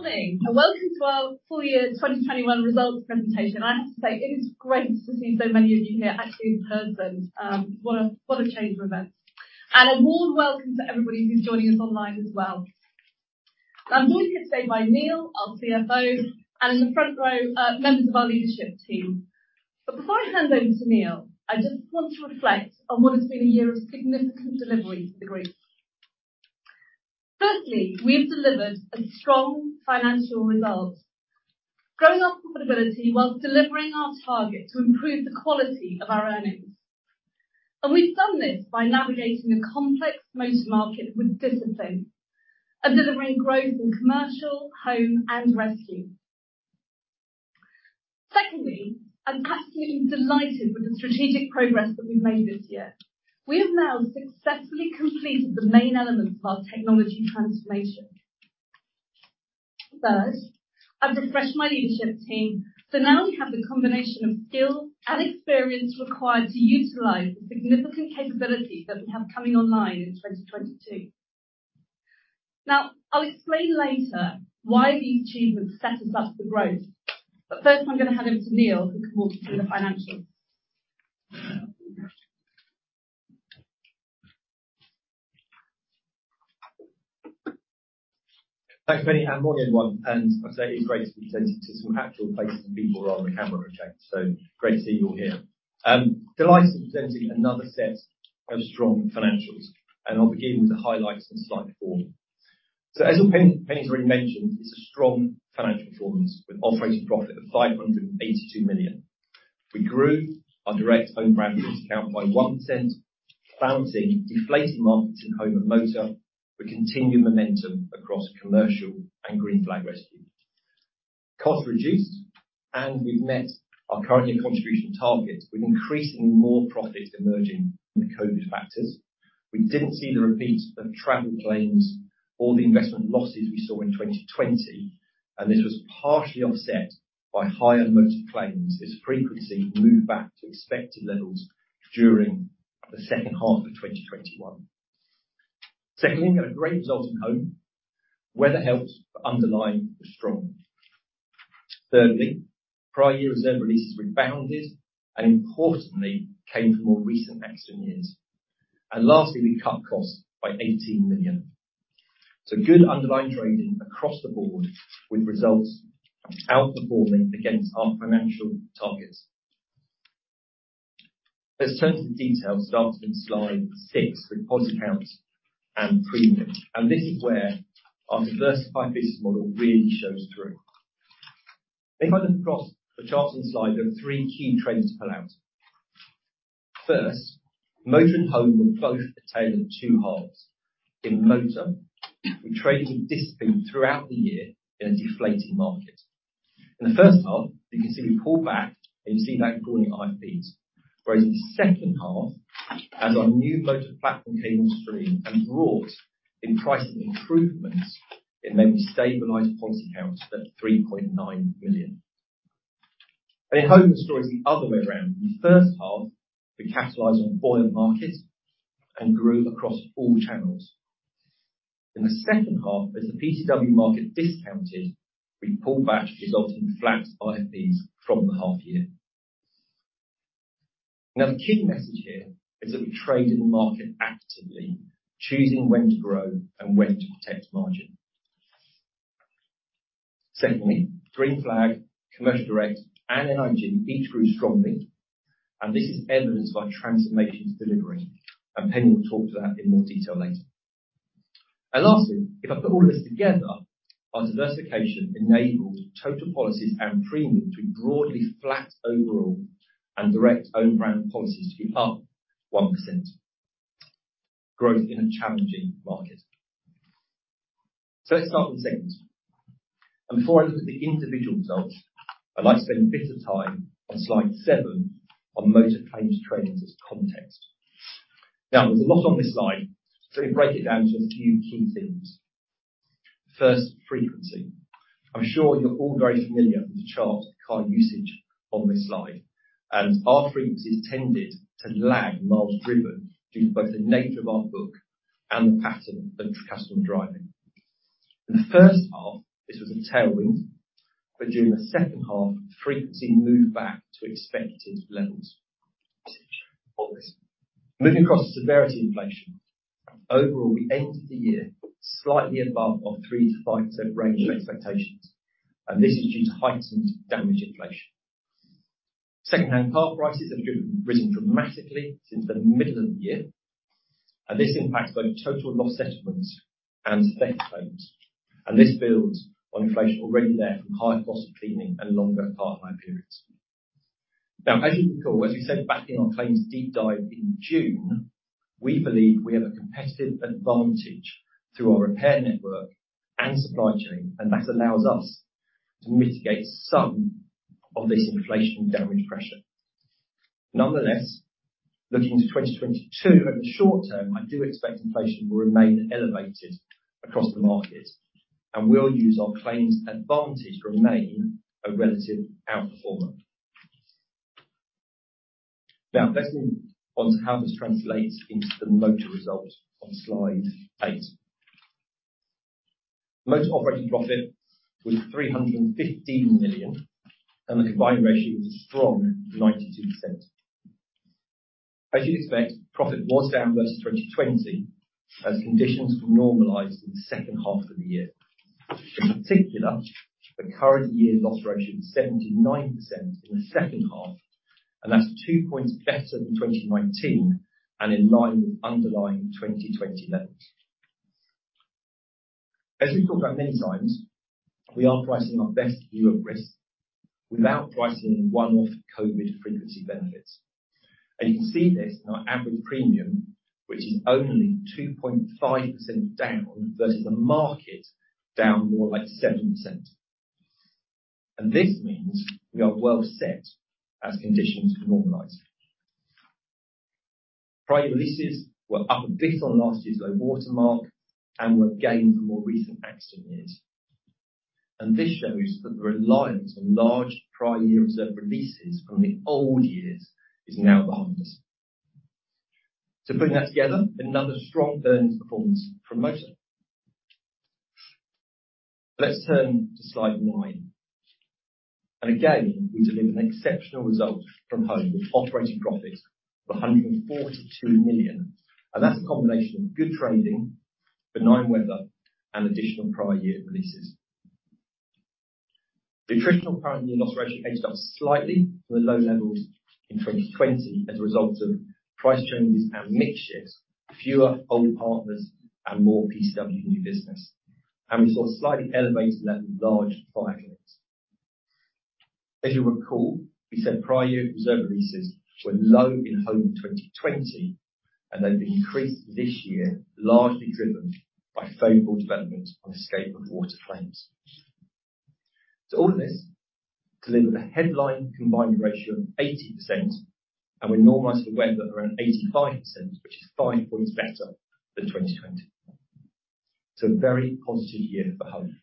Good morning, and welcome to our full year 2021 results presentation. I have to say, it is great to see so many of you here actually in person. What a change of events. A warm welcome to everybody who's joining us online as well. I'm joined here today by Neil, our CFO, and in the front row, members of our leadership team. Before I hand over to Neil, I just want to reflect on what has been a year of significant delivery to the group. Firstly, we have delivered a strong financial result, growing our profitability while delivering our target to improve the quality of our earnings. We've done this by navigating a complex Motor market with discipline and delivering growth in Commercial, Home and Rescue. Secondly, I'm absolutely delighted with the strategic progress that we've made this year. We have now successfully completed the main elements of our technology transformation. First, I've refreshed my leadership team, so now we have the combination of skill and experience required to utilize the significant capabilities that we have coming online in 2022. Now, I'll explain later why these achievements set us up for growth. First, I'm gonna hand over to Neil, who can walk us through the financials. Thanks, Penny. Morning, everyone. I say it is great to be presenting to some actual faces and people rather than camera today. Great to see you all here. I'm delighted to be presenting another set of strong financials. I'll begin with the highlights on slide four. As Penny's already mentioned, it's a strong financial performance with operating profit of 582 million. We grew our direct own brand account by 1%, bouncing deflating markets in Home and Motor, with continued momentum across Commercial and Green Flag Rescue. Costs reduced, and we've met our current year contribution targets, with increasingly more profits emerging from the COVID factors. We didn't see the repeat of travel claims or the investment losses we saw in 2020, and this was partially offset by higher Motor claims as frequency moved back to expected levels during the second half of 2021. Secondly, we had a great result at Home. Weather helped, but underlying was strong. Thirdly, prior year reserve releases rebounded and importantly came from more recent accident years. Lastly, we cut costs by 18 million. Good underlying trading across the board with results outperforming against our financial targets. Let's turn to the details starting on slide six with policy counts and premium. This is where our diversified business model really shows through. If I look across the charts and slide, there are three key trends to pull out. First, Motor and Home were both a tale of two halves. In Motor, we traded with discipline throughout the year in a deflating market. In the first half, you can see we pulled back and you see that fall in IFBs. Whereas in the second half, as our new Motor platform came on stream and brought in pricing improvements, it meant we stabilized policy counts at 3.9 million. In Home, the story's the other way around. In the first half, we capitalized on a buoyant market and grew across all channels. In the second half, as the PCW market discounted, we pulled back, resulting in flat IFBs from the half year. Now, the key message here is that we traded the market actively, choosing when to grow and when to protect margin. Secondly, Green Flag, Commercial Direct and NIG each grew strongly, and this is evidenced by transformations delivering, and Penny will talk to that in more detail later. Lastly, if I put all of this together, our diversification enabled total policies and premium to be broadly flat overall and direct own brand policies to be up 1%. Growth in a challenging market. Let's start with the second. Before I look at the individual results, I'd like to spend a bit of time on slide seven, on Motor claims trends as context. Now, there's a lot on this slide, so let me break it down to a few key themes. First, frequency. I'm sure you're all very familiar with the charts car usage on this slide, and our frequencies tended to lag miles driven due to both the nature of our book and the pattern of customer driving. In the first half, this was a tailwind, but during the second half, frequency moved back to expected levels. Moving across to severity inflation. Overall, we ended the year slightly above our 3%-5% range of expectations, and this is due to heightened claims inflation. Secondhand car prices have risen dramatically since the middle of the year, and this impacts both total loss settlements and theft claims. This builds on inflation already there from higher costs of claiming and longer car hire periods. Now, as you recall, as we said back in our claims deep dive in June, we believe we have a competitive advantage through our repair network and supply chain, and that allows us to mitigate some of this inflation damage pressure. Nonetheless, looking to 2022 over the short term, I do expect inflation will remain elevated across the market, and we'll use our claims advantage to remain a relative outperformer. Now let's move on to how this translates into the Motor results on slide eight. Motor operating profit was 315 million, and the combined ratio was a strong 92%. As you'd expect, profit was down versus 2020 as conditions normalized in the second half of the year. In particular, the current year's loss ratio is 79% in the second half, and that's two points better than 2019 and in line with underlying 2020 levels. As we've talked about many times, we are pricing our best view of risk without pricing one-off COVID frequency benefits. You can see this in our average premium, which is only 2.5% down versus the market down more like 7%. This means we are well set as conditions normalize. Prior releases were up a bit on last year's low-water mark and were gained from more recent accident years. This shows that the reliance on large prior year reserve releases from the old years is now behind us. To bring that together, another strong earnings performance from Motor. Let's turn to slide 9. Again, we deliver an exceptional result from Home, with operating profits of 142 million. That's a combination of good trading, benign weather, and additional prior year releases. The attritional prior year loss ratio edged up slightly from the low levels in 2020 as a result of price changes and mix shifts, fewer old partners, and more PCW new business. We saw a slightly elevated level of large fire claims. As you'll recall, we said prior year reserve releases were low in Home 2020, and they've increased this year, largely driven by favorable developments on the escape of water claims. To all of this, delivered a headline combined ratio of 80%, and when normalized for weather around 85%, which is five points better than 2020. It's a very positive year for Home.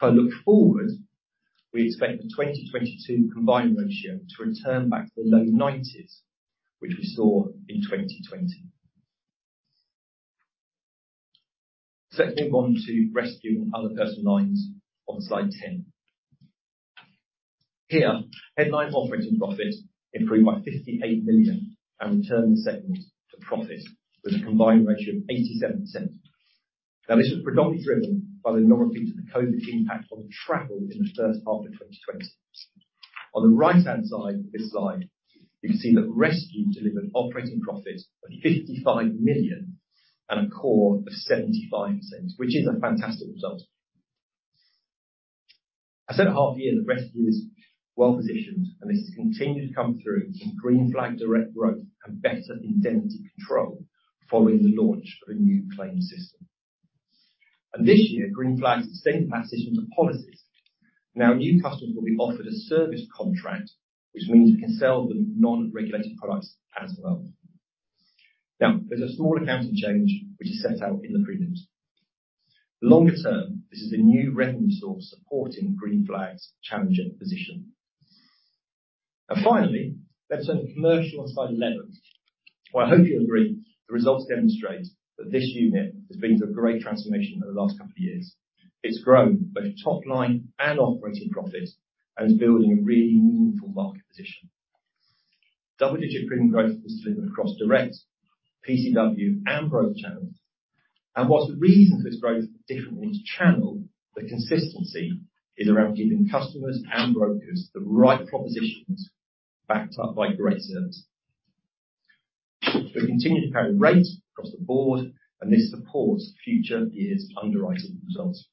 If I look forward, we expect the 2022 combined ratio to return back to the low 90s, which we saw in 2020. Let's move on to Rescue and other personal lines on slide 10. Here, headline operating profit improved by 58 million and returned the segment to profit with a combined ratio of 87%. Now, this was predominantly driven by the normalization of the COVID impact on travel in the first half of 2020. On the right-hand side of this slide, you can see that Rescue delivered operating profit of 55 million and a COR of 75%, which is a fantastic result. I said at half year that Rescue is well-positioned, and this has continued to come through from Green Flag direct growth and better indemnity control following the launch of a new claims system. This year, Green Flag sustained that transition to policies. Now, new customers will be offered a service contract, which means we can sell them non-regulated products as well. Now, there's a small accounting change which is set out in the premiums. Longer term, this is a new revenue source supporting Green Flag's challenging position. Finally, let's turn to Commercial on slide 11. Well, I hope you'll agree, the results demonstrate that this unit has been through a great transformation over the last couple of years. It's grown both top line and operating profit and is building a really meaningful market position. Double-digit premium growth was delivered across direct PCW and broker channels. While the reason for this growth is different in each channel, the consistency is around giving customers and brokers the right propositions backed up by great service. We've continued to carry rate across the board, and this supports future years' underwriting results.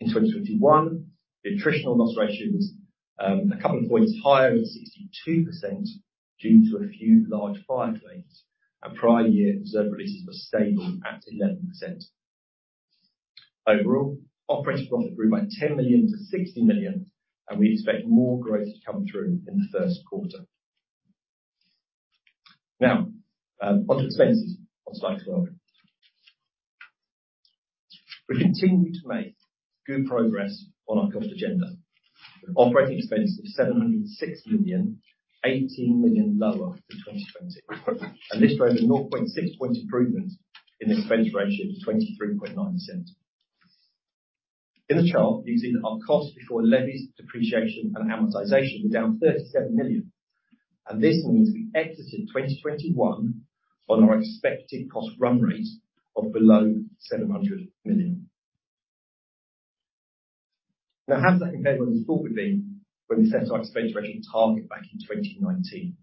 In 2021, the attritional loss ratio was a couple of points higher at 62% due to a few large fire claims, and prior year reserve releases were stable at 11%. Overall, operating profit grew by 10 million to 60 million, and we expect more growth to come through in the first quarter. Now, on to expenses on slide 12. We continue to make good progress on our cost agenda. Operating expenses, 706 million, 18 million lower than 2020. This drove a 0.6-point improvement in the expense ratio to 23.9%. In the chart, you can see that our costs before levies, depreciation, and amortization were down 37 million. This means we exited 2021 on our expected cost run rate of below 700 million. How does that compare with what we formerly when we set our expense ratio target back in 2019?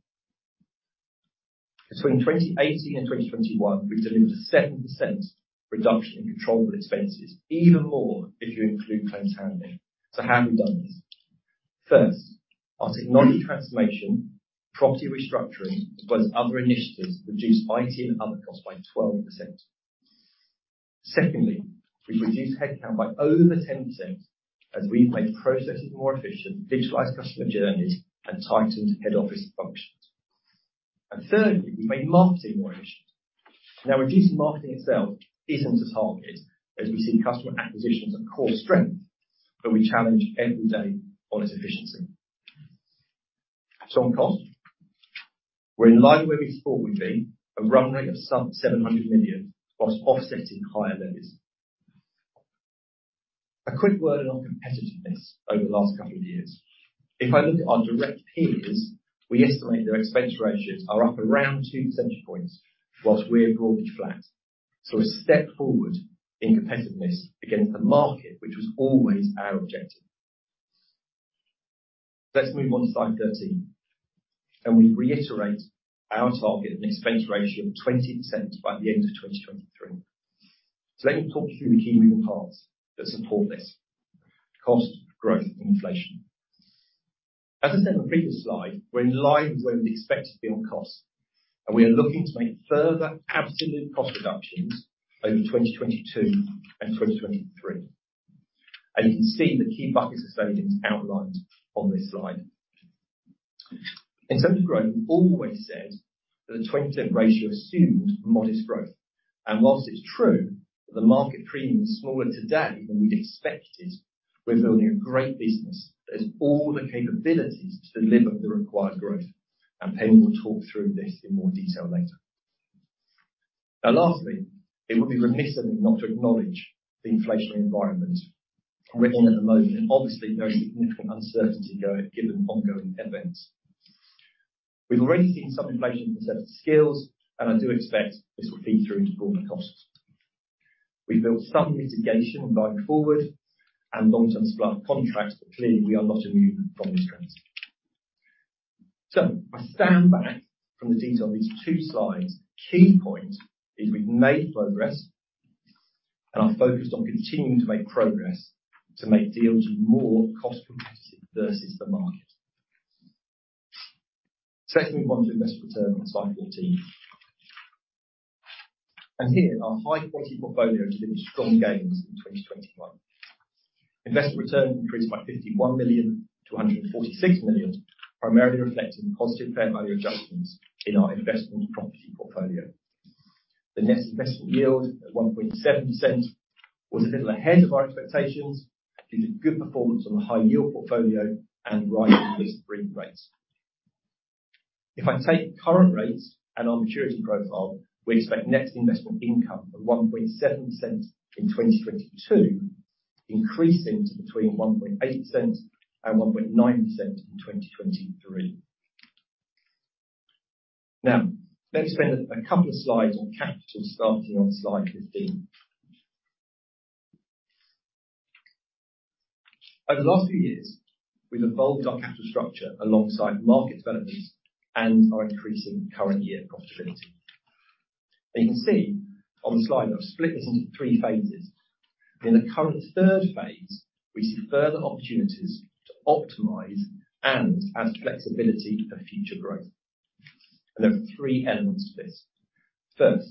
Between 2018 and 2021, we've delivered a 7% reduction in controllable expenses. Even more if you include claims handling. How have we done this? First, our technology transformation, property restructuring, as well as other initiatives, reduced IT and other costs by 12%. Secondly, we've reduced headcount by over 10% as we've made processes more efficient, digitalized customer journeys, and tightened head office functions. Thirdly, we've made marketing more efficient. Now reducing marketing itself isn't a target as we see customer acquisition as a core strength, but we challenge every day on its efficiency. On cost, we're in line with where we thought we'd be, a run rate of 700 million, while offsetting higher levies. A quick word on our competitiveness over the last couple of years. If I look at our direct peers, we estimate their expense ratios are up around 2 percentage points while we are broadly flat. A step forward in competitiveness against the market, which was always our objective. Let's move on to slide 13, and we reiterate our target in this expense ratio of 20% by the end of 2023. Let me talk you through the key moving parts that support this. Cost, growth, and inflation. As I said in the previous slide, we're in line with where we'd expect to be on cost, and we are looking to make further absolute cost reductions over 2022 and 2023. You can see the key buckets of savings outlined on this slide. In terms of growth, we've always said that a 20% ratio assumes modest growth. While it's true that the market premium is smaller today than we'd expect it is, we're building a great business that has all the capabilities to deliver the required growth. Penny will talk through this in more detail later. Now, lastly, it would be remiss of me not to acknowledge the inflationary environment we're in at the moment, and obviously, very significant uncertainty given ongoing events. We've already seen some inflation in terms of skills, and I do expect this will feed through into broader costs. We've built some mitigation going forward and long-term supply contracts, but clearly, we are not immune from this trend. Step back from the detail of these two slides. Key point is we've made progress, and are focused on continuing to make progress to make DLG more cost competitive versus the market. Let's move on to investment return on slide 14. Here our high-quality portfolio delivered strong gains in 2021. Investment return increased by 51 million-146 million, primarily reflecting positive fair value adjustments in our investment property portfolio. The net investment yield at 1.7% was a little ahead of our expectations due to good performance on the high yield portfolio and rising risk-free rates. If I take current rates and our maturity profile, we expect net investment income of 1.7% in 2022, increasing to between 1.8% and 1.9% in 2023. Now, let me spend a couple of slides on capital starting on slide 15. Over the last few years, we've evolved our capital structure alongside market developments and our increasing current year profitability. Now you can see on the slide I've split this into three phases. In the current third phase, we see further opportunities to optimize and add flexibility for future growth. There are three elements to this. First,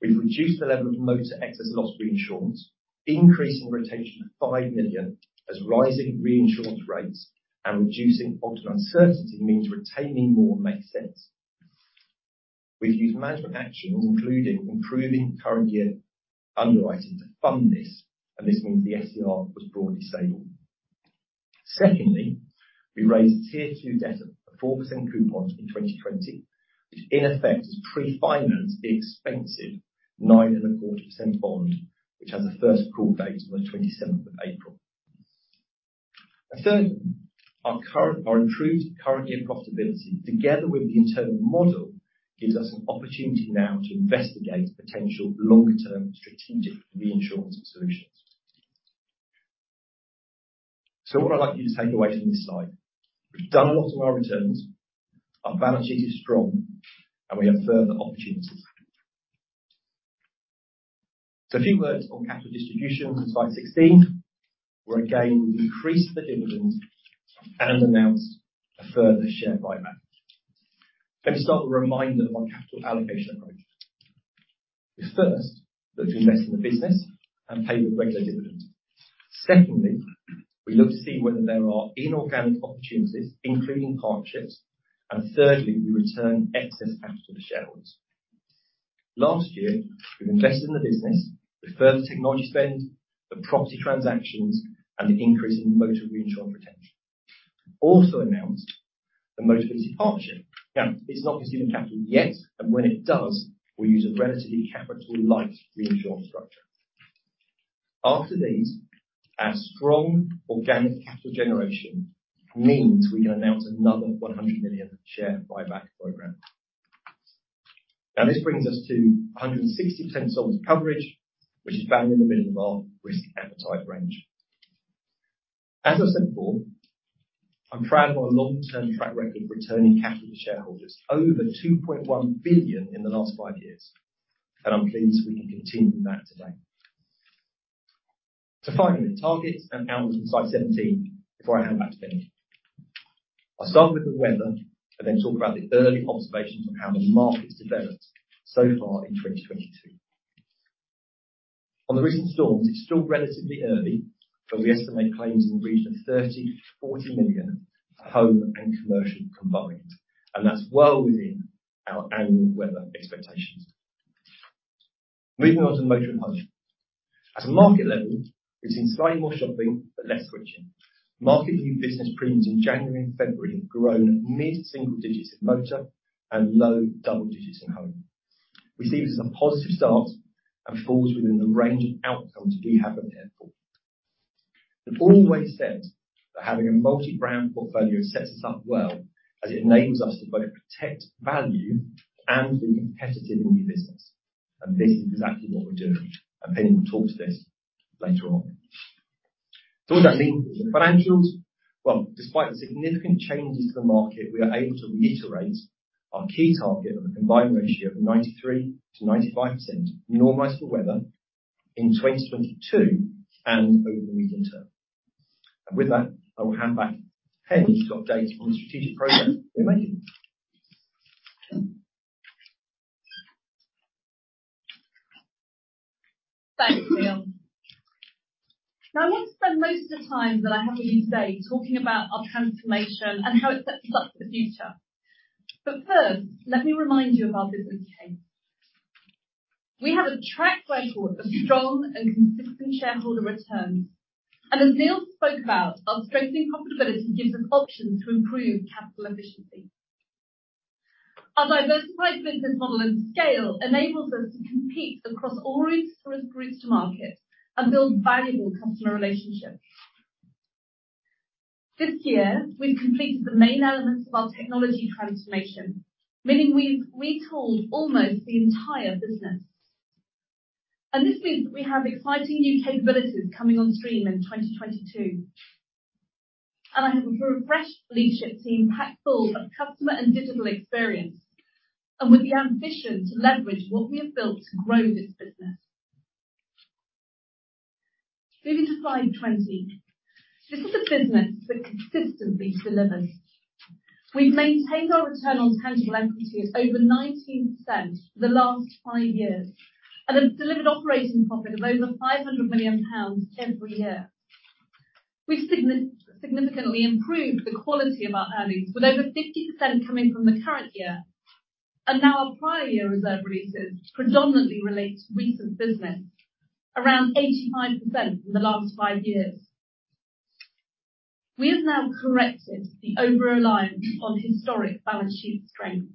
we've reduced the level of Motor excess loss reinsurance, increasing retention to 5 million as rising reinsurance rates and reducing bottom uncertainty means retaining more makes sense. We've used management actions, including improving current year underwriting to fund this, and this means the SCR was broadly stable. Secondly, we raised Tier 2 debt at a 4% coupon in 2020, which in effect has pre-financed the expensive 9.4% bond, which has a first call date on the 27th of April. Thirdly, our improved current year profitability together with the internal model gives us an opportunity now to investigate potential longer term strategic reinsurance solutions. What I'd like you to take away from this slide, we've done a lot on our returns, our balance sheet is strong, and we have further opportunities. A few words on capital distribution on slide 16, where again, we've increased the dividend and announced a further share buyback. Let me start with a reminder of our capital allocation approach. We first look to invest in the business and pay a regular dividend. Secondly, we look to see whether there are inorganic opportunities, including partnerships. Thirdly, we return excess capital to shareholders. Last year, we've invested in the business with further technology spend, the property transactions, and an increase in Motor reinsurance retention. Also announced the Motability partnership. Now, it's not consuming capital yet, and when it does, we use a relatively capital light reinsurance structure. After these, our strong organic capital generation means we can announce another 100 million share buyback program. Now, this brings us to 160% Solvency coverage, which is bang in the middle of our risk appetite range. As I said before, I'm proud of our long-term track record for returning capital to shareholders, over 2.1 billion in the last five years, and I'm pleased we can continue that today. Finally, targets and outlook on slide 17 before I hand back to Penny. I'll start with the weather and then talk about the early observations on how the market's developed so far in 2022. On the recent storms, it's still relatively early, but we estimate claims in the region of 30 million-40 million for Home and Commercial combined, and that's well within our annual weather expectations. Moving on to Motor and Home. At a market level, we've seen slightly more shopping, but less switching. Market new business premiums in January and February have grown mid-single digits in Motor and low double digits in Home. We see this as a positive start and it falls within the range of outcomes we have prepared for. We've always said that having a multi-brand portfolio sets us up well as it enables us to both protect value and be competitive in new business. This is exactly what we're doing. Penny will talk to this later on. What does that mean for the financials? Well, despite the significant changes to the market, we are able to reiterate our key target of a combined ratio of 93%-95% normalized for weather in 2022 and over the medium term. With that, I will hand back to Penny to update on the strategic progress we're making. Thanks, Neil. Now I want to spend most of the time that I have with you today talking about our transformation and how it sets us up for the future. First, let me remind you of our business case. We have a track record of strong and consistent shareholder returns. As Neil spoke about, our strengthening profitability gives us options to improve capital efficiency. Our diversified business model and scale enables us to compete across all risk-reward groups to market and build valuable customer relationships. This year, we've completed the main elements of our technology transformation, meaning we've retooled almost the entire business. This means that we have exciting new capabilities coming on stream in 2022. I have a refreshed leadership team packed full of customer and digital experience and with the ambition to leverage what we have built to grow this business. Moving to slide 20. This is a business that consistently delivers. We've maintained our return on tangible equity as over 19% for the last five years, and have delivered operating profit of over 500 million pounds every year. We've significantly improved the quality of our earnings, with over 50% coming from the current year. Now our prior year reserve releases predominantly relate to recent business, around 85% from the last five years. We have now corrected the over-reliance on historic balance sheet strengths.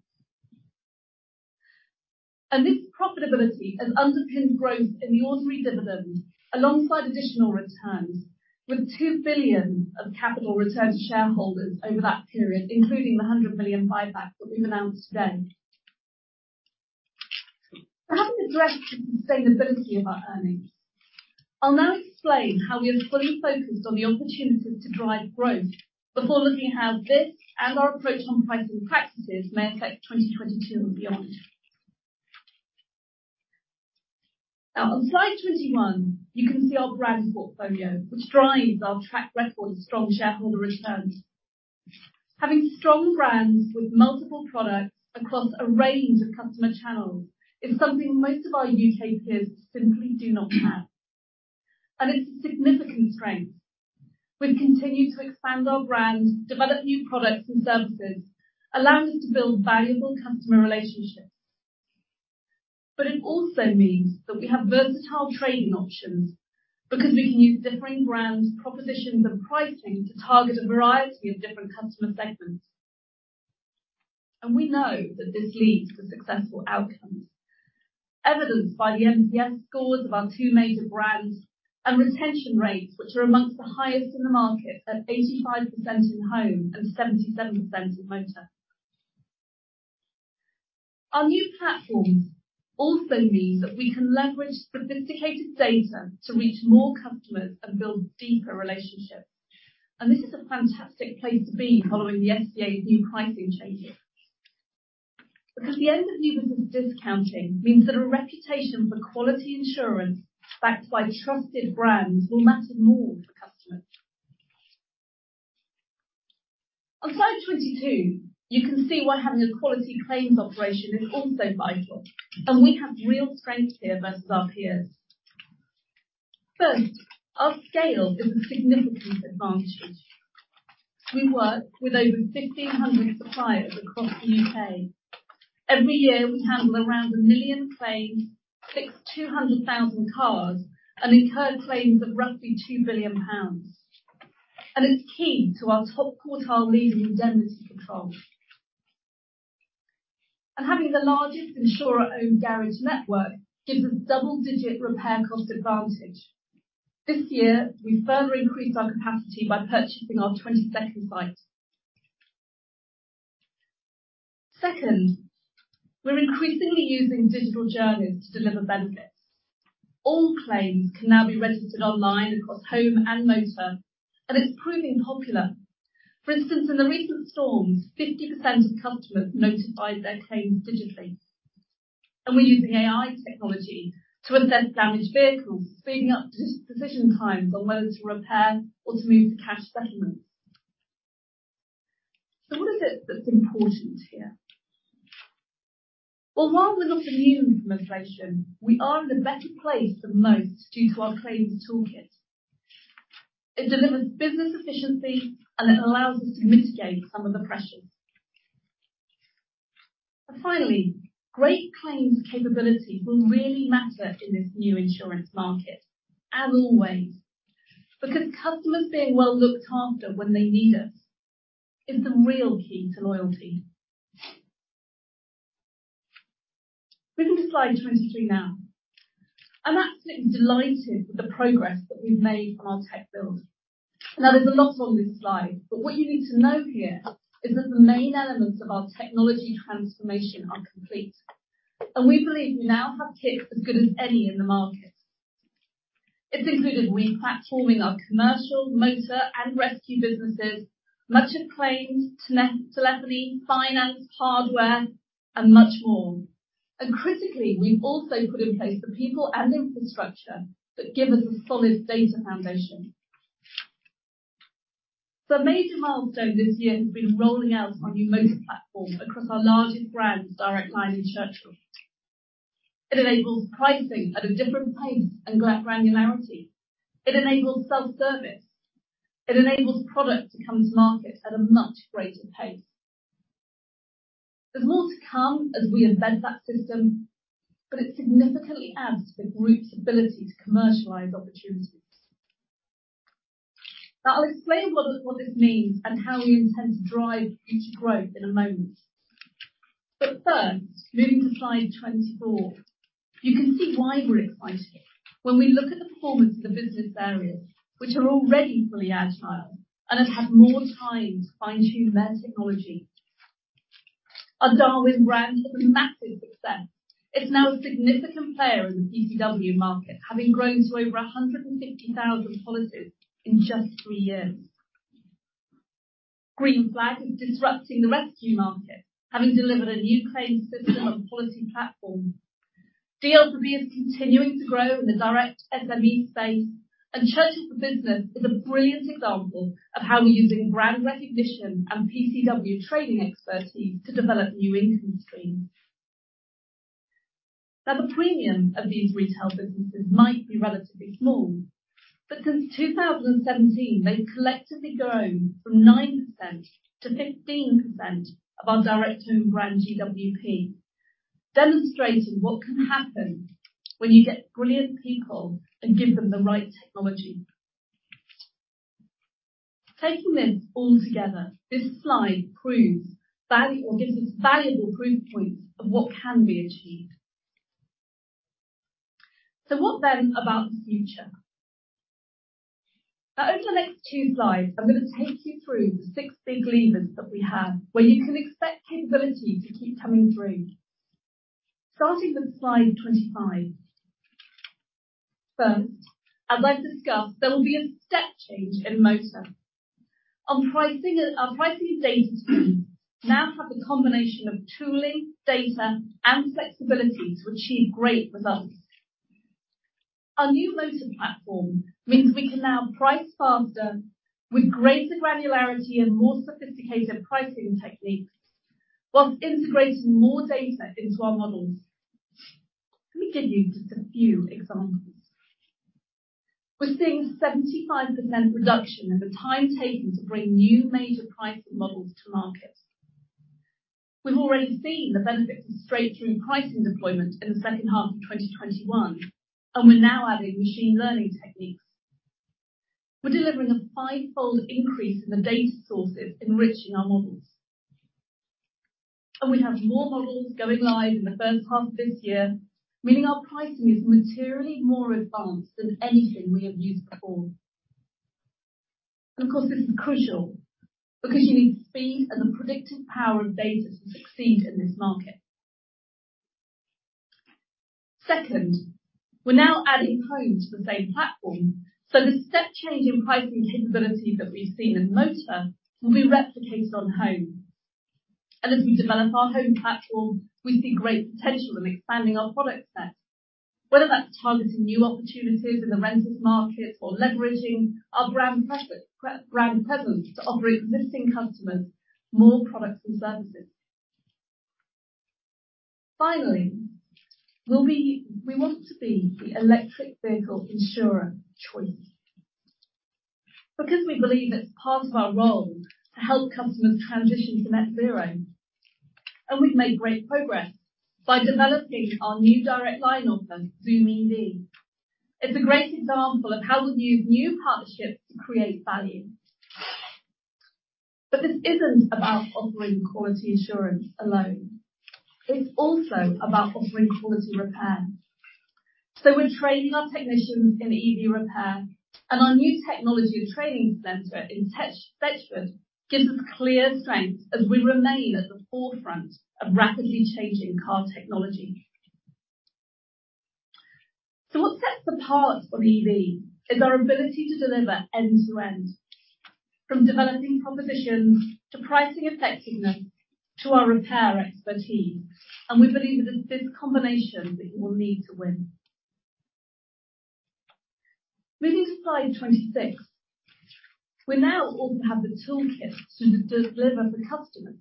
This profitability has underpinned growth in the ordinary dividend alongside additional returns, with 2 billion of capital returned to shareholders over that period, including the 100 million buyback that we've announced today. Having addressed the sustainability of our earnings, I'll now explain how we are fully focused on the opportunities to drive growth before looking how this and our approach on pricing practices may affect 2022 beyond. Now, on slide 21, you can see our brand portfolio, which drives our track record of strong shareholder returns. Having strong brands with multiple products across a range of customer channels is something most of our U.K. peers simply do not have, and it's a significant strength. We've continued to expand our brands, develop new products and services, allowing us to build valuable customer relationships. It also means that we have versatile trading options because we can use differing brands, propositions, and pricing to target a variety of different customer segments. We know that this leads to successful outcomes, evidenced by the MCS scores of our two major brands and retention rates, which are among the highest in the market at 85% in Home and 77% in Motor. Our new platforms also means that we can leverage sophisticated data to reach more customers and build deeper relationships. This is a fantastic place to be following the FCA's new pricing changes. Because the end of universal discounting means that a reputation for quality insurance backed by trusted brands will matter more for customers. On slide 22, you can see why having a quality claims operation is also vital, and we have real strength here versus our peers. First, our scale is a significant advantage. We work with over 1,500 suppliers across the U.K. Every year, we handle around a million claims, fix 200,000 cars, and incur claims of roughly 2 billion pounds. It's key to our top quartile leading indemnity control. Having the largest insurer-owned garage network gives us double-digit repair cost advantage. This year, we further increased our capacity by purchasing our 22nd site. Second, we're increasingly using digital journeys to deliver benefits. All claims can now be registered online across Home and Motor, and it's proving popular. For instance, in the recent storms, 50% of customers notified their claims digitally. We're using AI technology to assess damaged vehicles, speeding up decision times on whether to repair or to move to cash settlements. That's important here. While we're not immune from inflation, we are in a better place than most due to our claims toolkit. It delivers business efficiency, and it allows us to mitigate some of the pressures. Finally, great claims capability will really matter in this new insurance market, as always, because customers being well looked after when they need us is the real key to loyalty. Moving to slide 23 now. I'm absolutely delighted with the progress that we've made on our tech build. Now, there's a lot on this slide, but what you need to know here is that the main elements of our technology transformation are complete, and we believe we now have kit as good as any in the market. It includes re-platforming our Commercial, Motor, and Rescue businesses, much of claims, telephony, finance, hardware, and much more. Critically, we've also put in place the people and infrastructure that give us a solid data foundation. A major milestone this year has been rolling out our new Motor platform across our largest brands, Direct Line and Churchill. It enables pricing at a different pace and granularity. It enables self-service. It enables product to come to market at a much greater pace. There's more to come as we embed that system, but it significantly adds to the group's ability to commercialize opportunities. Now, I'll explain what this means and how we intend to drive future growth in a moment. First, moving to slide 24. You can see why we're excited when we look at the performance of the business areas which are already fully agile and have had more time to fine-tune their technology. Our Darwin brand has been a massive success. It's now a significant player in the PCW market, having grown to over 150,000 policies in just three years. Green Flag is disrupting the Rescue market, having delivered a new claims system and policy platform. DLFB is continuing to grow in the direct SME space, and Churchill for Business is a brilliant example of how we're using brand recognition and PCW trading expertise to develop new income streams. Now, the premium of these retail businesses might be relatively small, but since 2017, they've collectively grown from 9%-15% of our Direct Home brand GWP, demonstrating what can happen when you get brilliant people and give them the right technology. Taking this all together, this slide proves value or gives us valuable proof points of what can be achieved. What then about the future? Now, over the next two slides, I'm gonna take you through the six big levers that we have, where you can expect capability to keep coming through. Starting with slide 25. First, as I've discussed, there will be a step change in Motor. On pricing, our pricing data teams now have a combination of tooling, data, and flexibility to achieve great results. Our new Motor platform means we can now price faster with greater granularity and more sophisticated pricing techniques while integrating more data into our models. Let me give you just a few examples. We're seeing 75% reduction in the time taken to bring new major pricing models to market. We've already seen the benefits of straight-through pricing deployment in the second half of 2021, and we're now adding machine learning techniques. We're delivering a five-fold increase in the data sources enriching our models. We have more models going live in the first half of this year, meaning our pricing is materially more advanced than anything we have used before. Of course, this is crucial because you need speed and the predictive power of data to succeed in this market. Second, we're now adding Home to the same platform, so the step change in pricing capability that we've seen in Motor will be replicated on Home. As we develop our Home platform, we see great potential in expanding our product set, whether that's targeting new opportunities in the renters market or leveraging our brand presence to offer existing customers more products and services. Finally, we want to be the electric vehicle insurer of choice because we believe it's part of our role to help customers transition to net zero. We've made great progress by developing our new Direct Line offer, Zoom EV. It's a great example of how we'll use new partnerships to create value. This isn't about offering quality insurance alone. It's also about offering quality repair. We're training our technicians in EV repair, and our new technology and training center in Churchill gives us clear strength as we remain at the forefront of rapidly changing car technology. What sets us apart on EV is our ability to deliver end-to-end, from developing propositions, to pricing effectiveness, to our repair expertise, and we believe that it's this combination that you will need to win. Moving to slide 26. We now all have the toolkit to deliver for customers.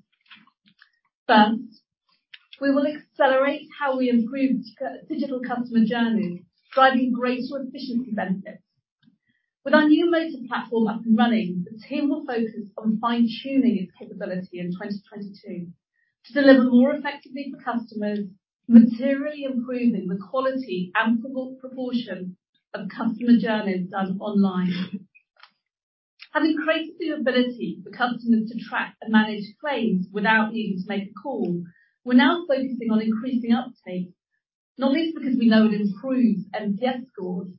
First, we will accelerate how we improve our digital customer journeys, driving greater efficiency benefits. With our new Motor platform up and running, the team will focus on fine-tuning its capability in 2022 to deliver more effectively for customers, materially improving the quality and proportion of customer journeys done online. Having created the ability for customers to track and manage claims without needing to make a call, we're now focusing on increasing uptake. Not least because we know it improves MTF scores,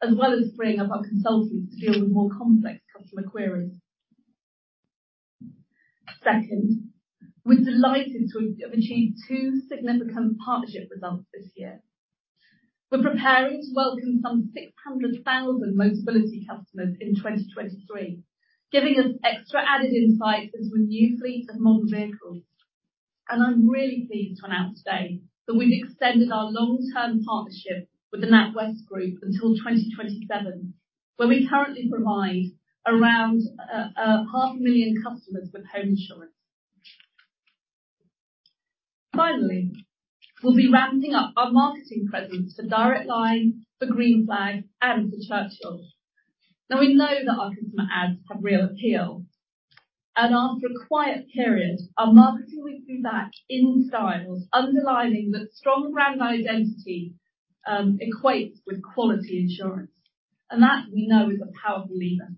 as well as freeing up our consultants to deal with more complex customer queries. Second, we're delighted to have achieved two significant partnership results this year. We're preparing to welcome some 600,000 Motability customers in 2023, giving us extra added insight into a new fleet of modern vehicles. I'm really pleased to announce today that we've extended our long-term partnership with the NatWest Group until 2027, where we currently provide around 500 million customers with Home insurance. Finally, we'll be ramping up our marketing presence for Direct Line, for Green Flag, and for Churchill. Now, we know that our customer ads have real appeal, and after a quiet period, our marketing will be back in style, underlining that strong brand identity equates with quality insurance. That we know is a powerful lever.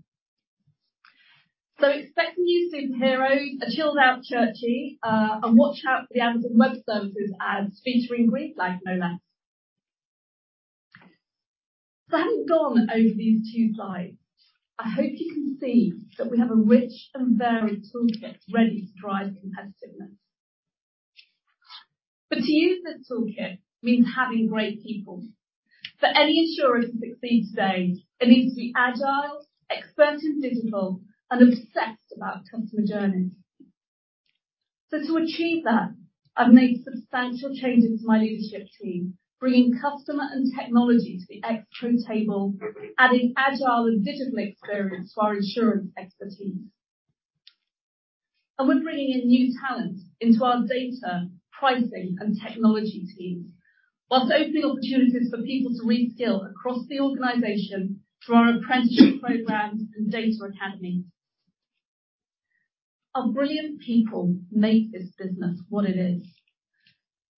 Expect new superheroes, a chilled out Churchill, and watch out for the Amazon Web Services ads featuring Green Flag, no less. Having gone over these two slides, I hope you can see that we have a rich and varied toolkit ready to drive competitiveness. To use this toolkit means having great people. For any insurer to succeed today, it needs to be agile, expert in digital, and obsessed about customer journeys. To achieve that, I've made substantial changes to my leadership team, bringing customer and technology to the ExCo table, adding agile and digital experience to our insurance expertise. We're bringing in new talent into our data, pricing, and technology teams, while opening opportunities for people to reskill across the organization through our apprenticeship programs and data academy. Our brilliant people make this business what it is.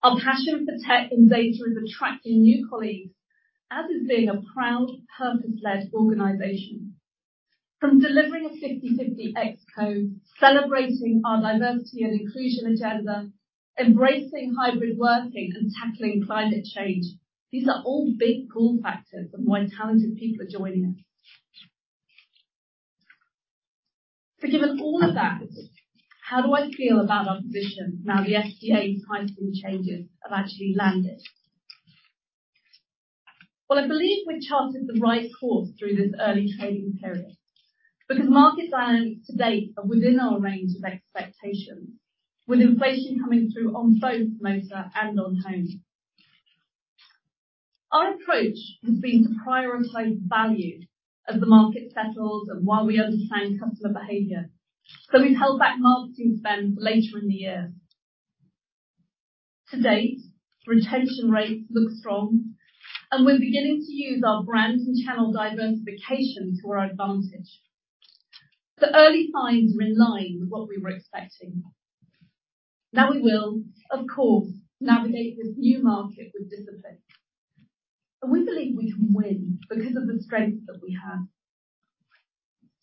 Our passion for tech and data is attracting new colleagues, as is being a proud purpose-led organization, from delivering a 50/50 ExCo, celebrating our diversity and inclusion agenda, embracing hybrid working, and tackling climate change. These are all big pull factors of why talented people are joining us. Given all of that, how do I feel about our position now the FCA pricing changes have actually landed? Well, I believe we've charted the right course through this early trading period because market dynamics to date are within our range of expectations, with inflation coming through on both Motor and on Home. Our approach has been to prioritize value as the market settles and while we understand customer behavior. We've held back marketing spend for later in the year. To date, retention rates look strong, and we're beginning to use our brand and channel diversification to our advantage. The early signs are in line with what we were expecting. Now we will, of course, navigate this new market with discipline. We believe we can win because of the strengths that we have.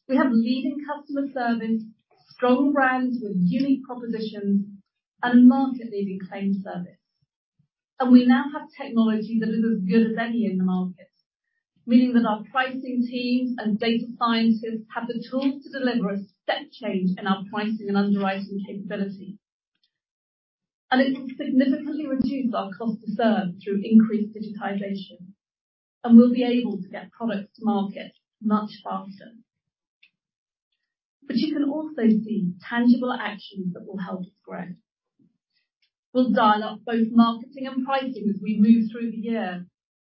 We have leading customer service, strong brands with unique propositions, and a market-leading claim service. We now have technology that is as good as any in the market, meaning that our pricing teams and data scientists have the tools to deliver a step change in our pricing and underwriting capability. It will significantly reduce our cost to serve through increased digitization, and we'll be able to get products to market much faster. You can also see tangible actions that will help us grow. We'll dial up both marketing and pricing as we move through the year.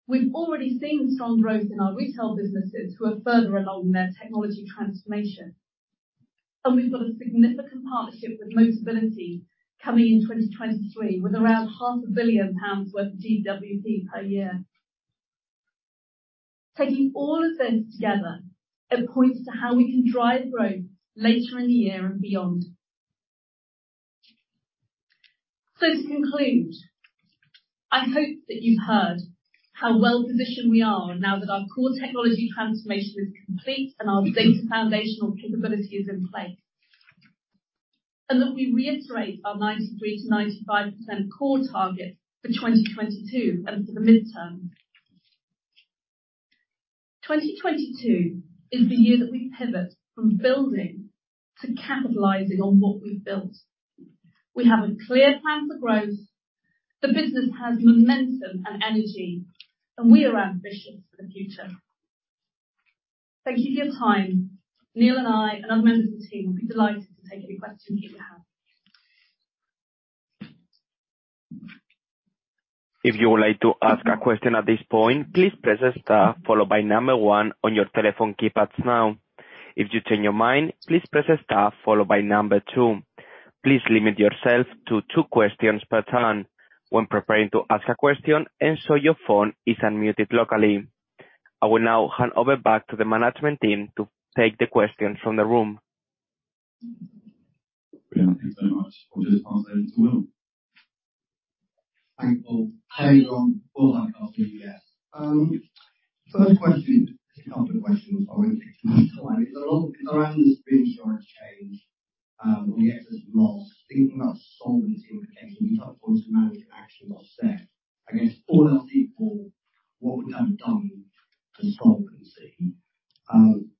We've already seen strong growth in our retail businesses who are further along in their technology transformation. We've got a significant partnership with Motability coming in 2023 with around 500 billion pounds worth of GWP per year. Taking all of this together, it points to how we can drive growth later in the year and beyond. To conclude, I hope that you've heard how well-positioned we are now that our core technology transformation is complete and our data foundational capability is in place. That we reiterate our 93%-95% core target for 2022 and for the midterm. 2022 is the year that we pivot from building to capitalizing on what we've built. We have a clear plan for growth, the business has momentum and energy, and we are ambitious for the future. Thank you for your time. Neil and I, and other members of the team, will be delighted to take any questions you have. If you would like to ask a question at this point, please press star followed by one on your telephone keypads now. If you change your mind, please press star followed by two. Please limit yourself to two questions per turn. When preparing to ask a question, ensure your phone is unmuted locally. I will now hand over back to the management team to take the questions from the room. Brilliant. Thank you so much. I'll just pass over to Will. Thank you. Hey, Penny. Well done with last year's results. First question, it's a couple of questions. I won't take too much time. It's around the spends you wanna change when you get to this loss. Thinking about solvency implications, you talk about automatic actions offset against all else equal, what we have done to solvency. When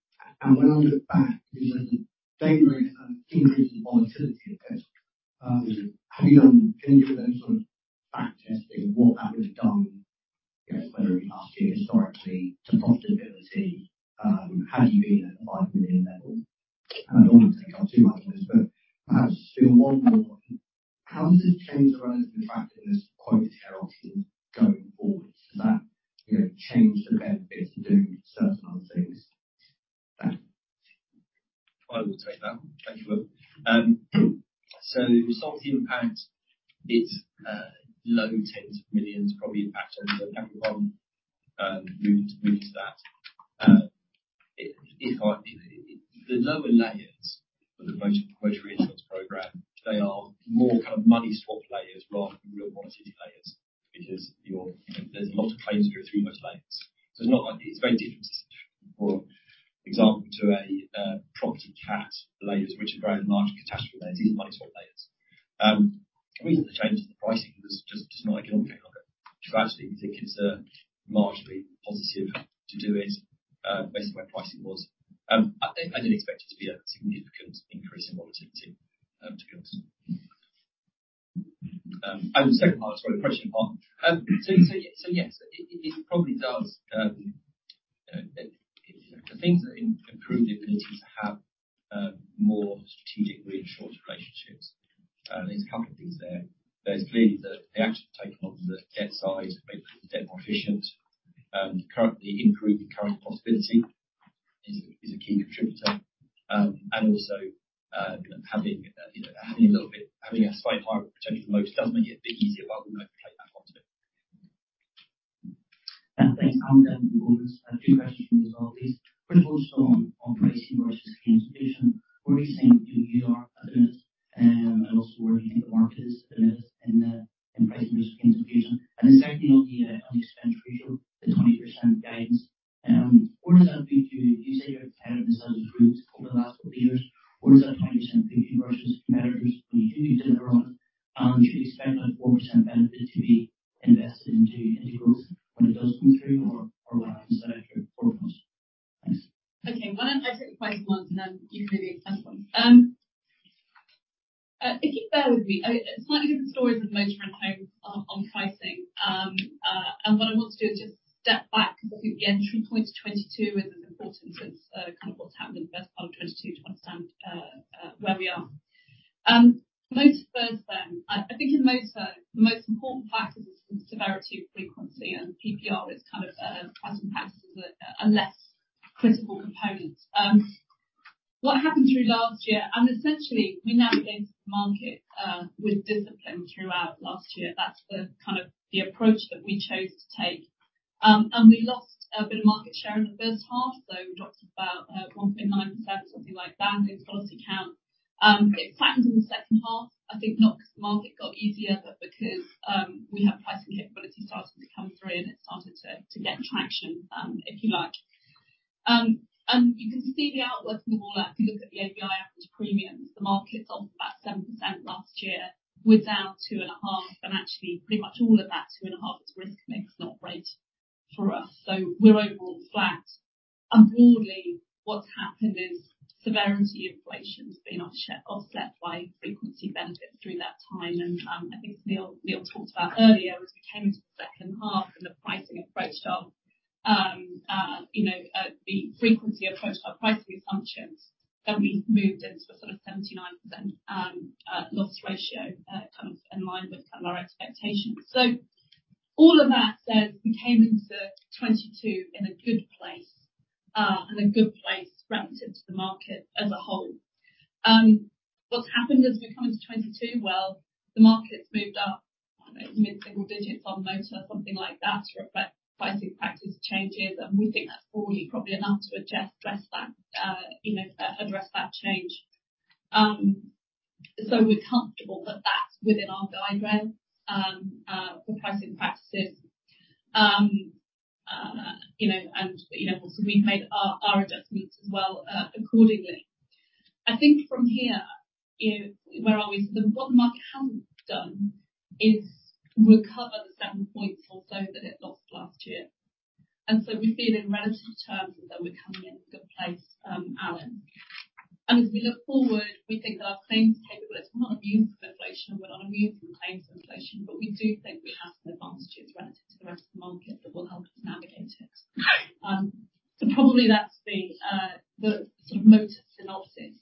I look back, severity inflation has been offset by frequency benefits through that time. I think Neil talked about earlier, as we came into the second half and the pricing approached our, you know, the frequency approached our pricing assumptions, then we moved into a sort of 79% loss ratio, kind of in line with kind of our expectations. All of that says we came into 2022 in a good place, and a good place relative to the market as a whole. What's happened as we come into 2022? Well, the market's moved up mid-single digits on Motor, something like that, reflecting pricing practice changes. We think that's probably enough to address that, you know, address that change. We're comfortable that that's within our guide rails, for pricing practices. You know, we've made our adjustments as well, accordingly. I think from here is where are we? What the market hasn't done is recover the seven points or so that it lost last year. We feel in relative terms that we're coming in a good place, Alan. As we look forward, we think our claims capabilities, we're not immune from inflation, we're not immune from claims inflation, but we do think we have some advantages relative to the rest of the market that will help us navigate it. Probably that's the sort of Motor synopsis.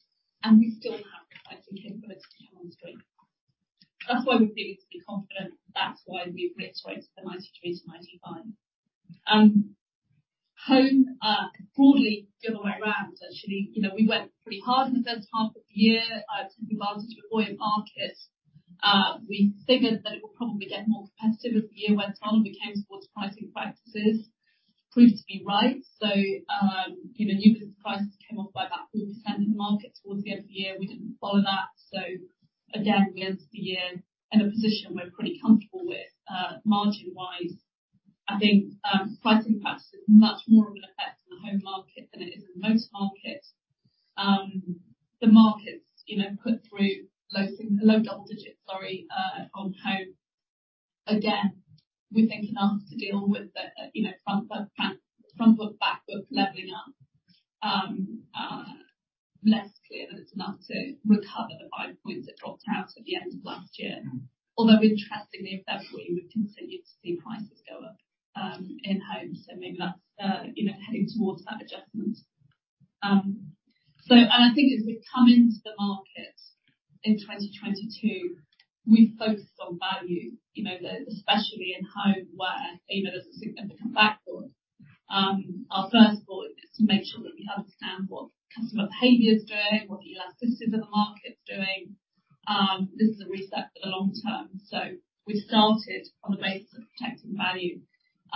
We still have capability to come on screen, I think. That's why we're feeling to be confident. That's why we've switched to the 93%-95%. Home, broadly the other way around, actually. You know, we went pretty hard in the first half of the year, taking advantage of a buoyant market. We figured that it would probably get more competitive as the year went on. We came to pricing practices. That proved to be right. You know, new business prices came off by about 4% in the market towards the end of the year. We didn't follow that. Again, we ended the year in a position we're pretty comfortable with, margin wise. I think, pricing practices is much more of an effect on the Home market than it is in most markets. The markets, you know, put through low double digits, sorry, on Home. Again, we think enough to deal with the, you know, front book, back book leveling up. It's less clear that it's enough to recover the five points it dropped out at the end of last year. Although interestingly, if that's what you would continue to see prices go up in Home's, so maybe that's, you know, heading towards that adjustment. I think as we come into the market in 2022, we focused on value. You know, especially in Home where, you know, there's a significant back book. Our first thought is to make sure that we understand what customer behavior is doing, what the elasticity of the market's doing. This is a reset for the long term.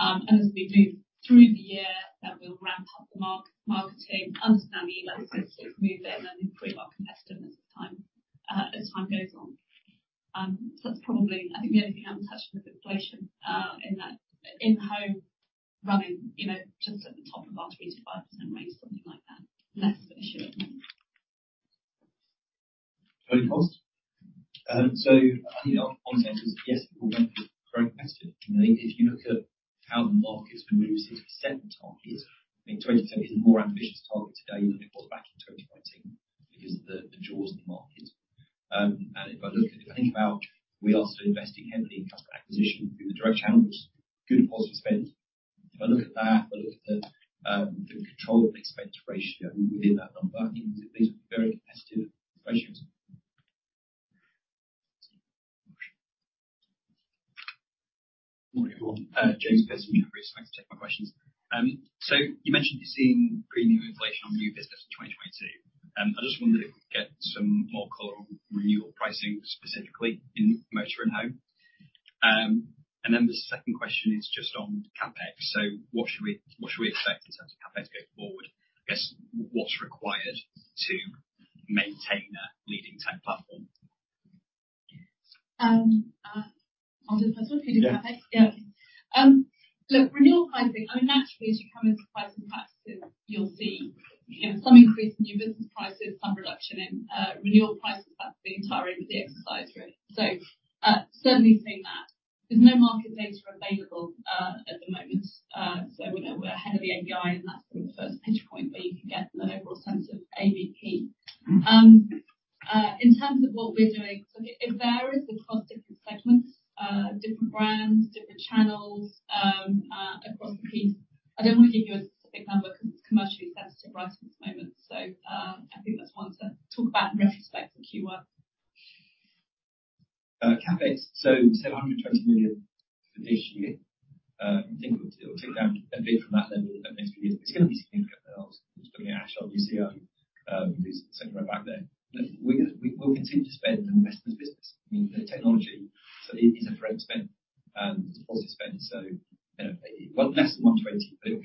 We started on the basis of protecting value. As we do through the year, then we'll ramp up the marketing, understand the elasticity as we move it, and then improve our competitiveness over time, as time goes on. That's probably, I think, the only thing I haven't touched on is inflation in the Home running, you know, just at the top of our 3%-5% range, something like that. Less of an issue at the moment. Neil Manser. I think our sense is, yes, we're going for the correct question. You know, if you look at how the market has been moving since we set the target, I think 2020 is a more ambitious target today than it was back in 2020 because of the jaws of the market. If I think about, we are still investing heavily in customer acquisition through the direct channels. Good and positive spend. If I look at that, I look at the controllable expense ratio within that number. I think these are very competitive questions. Morning all. James Pearse, Jefferies. Thanks for taking my questions. You mentioned you're seeing premium inflation on new business in 2022. I just wondered if we could get some more color on renewal pricing, specifically in Motor and Home. The second question is just on CapEx. What should we expect in terms of CapEx going forward? I guess, what's required to maintain a leading tech platform? I'll do the first one if you do CapEx. Yeah. Yeah. Look, renewal pricing. I mean, naturally, as you come into pricing practices you'll see, you know, some increase in new business prices, some reduction in renewal prices. That's the entire aim of the exercise, really. Certainly seeing that. There's no market data available at the moment. You know, we're ahead of the ABI, and that's sort of the first data point where you can get an overall sense of ARP. In terms of what we're doing. It varies across different segments, different brands, different channels, across the piece. I don't want to give you a specific number because it's commercially sensitive right at this moment. I think that's one to talk about in retrospect for Q1. CapEx. 220 million for this year. I think it will take down a bit from that level the next few years. It's gonna be significant though. Just looking at Ash on CapEx, who's sitting right back there. We will continue to spend and invest in the business. I mean, the technology is a forever spend, policy spend. You know, well, less than 120 million, but it'll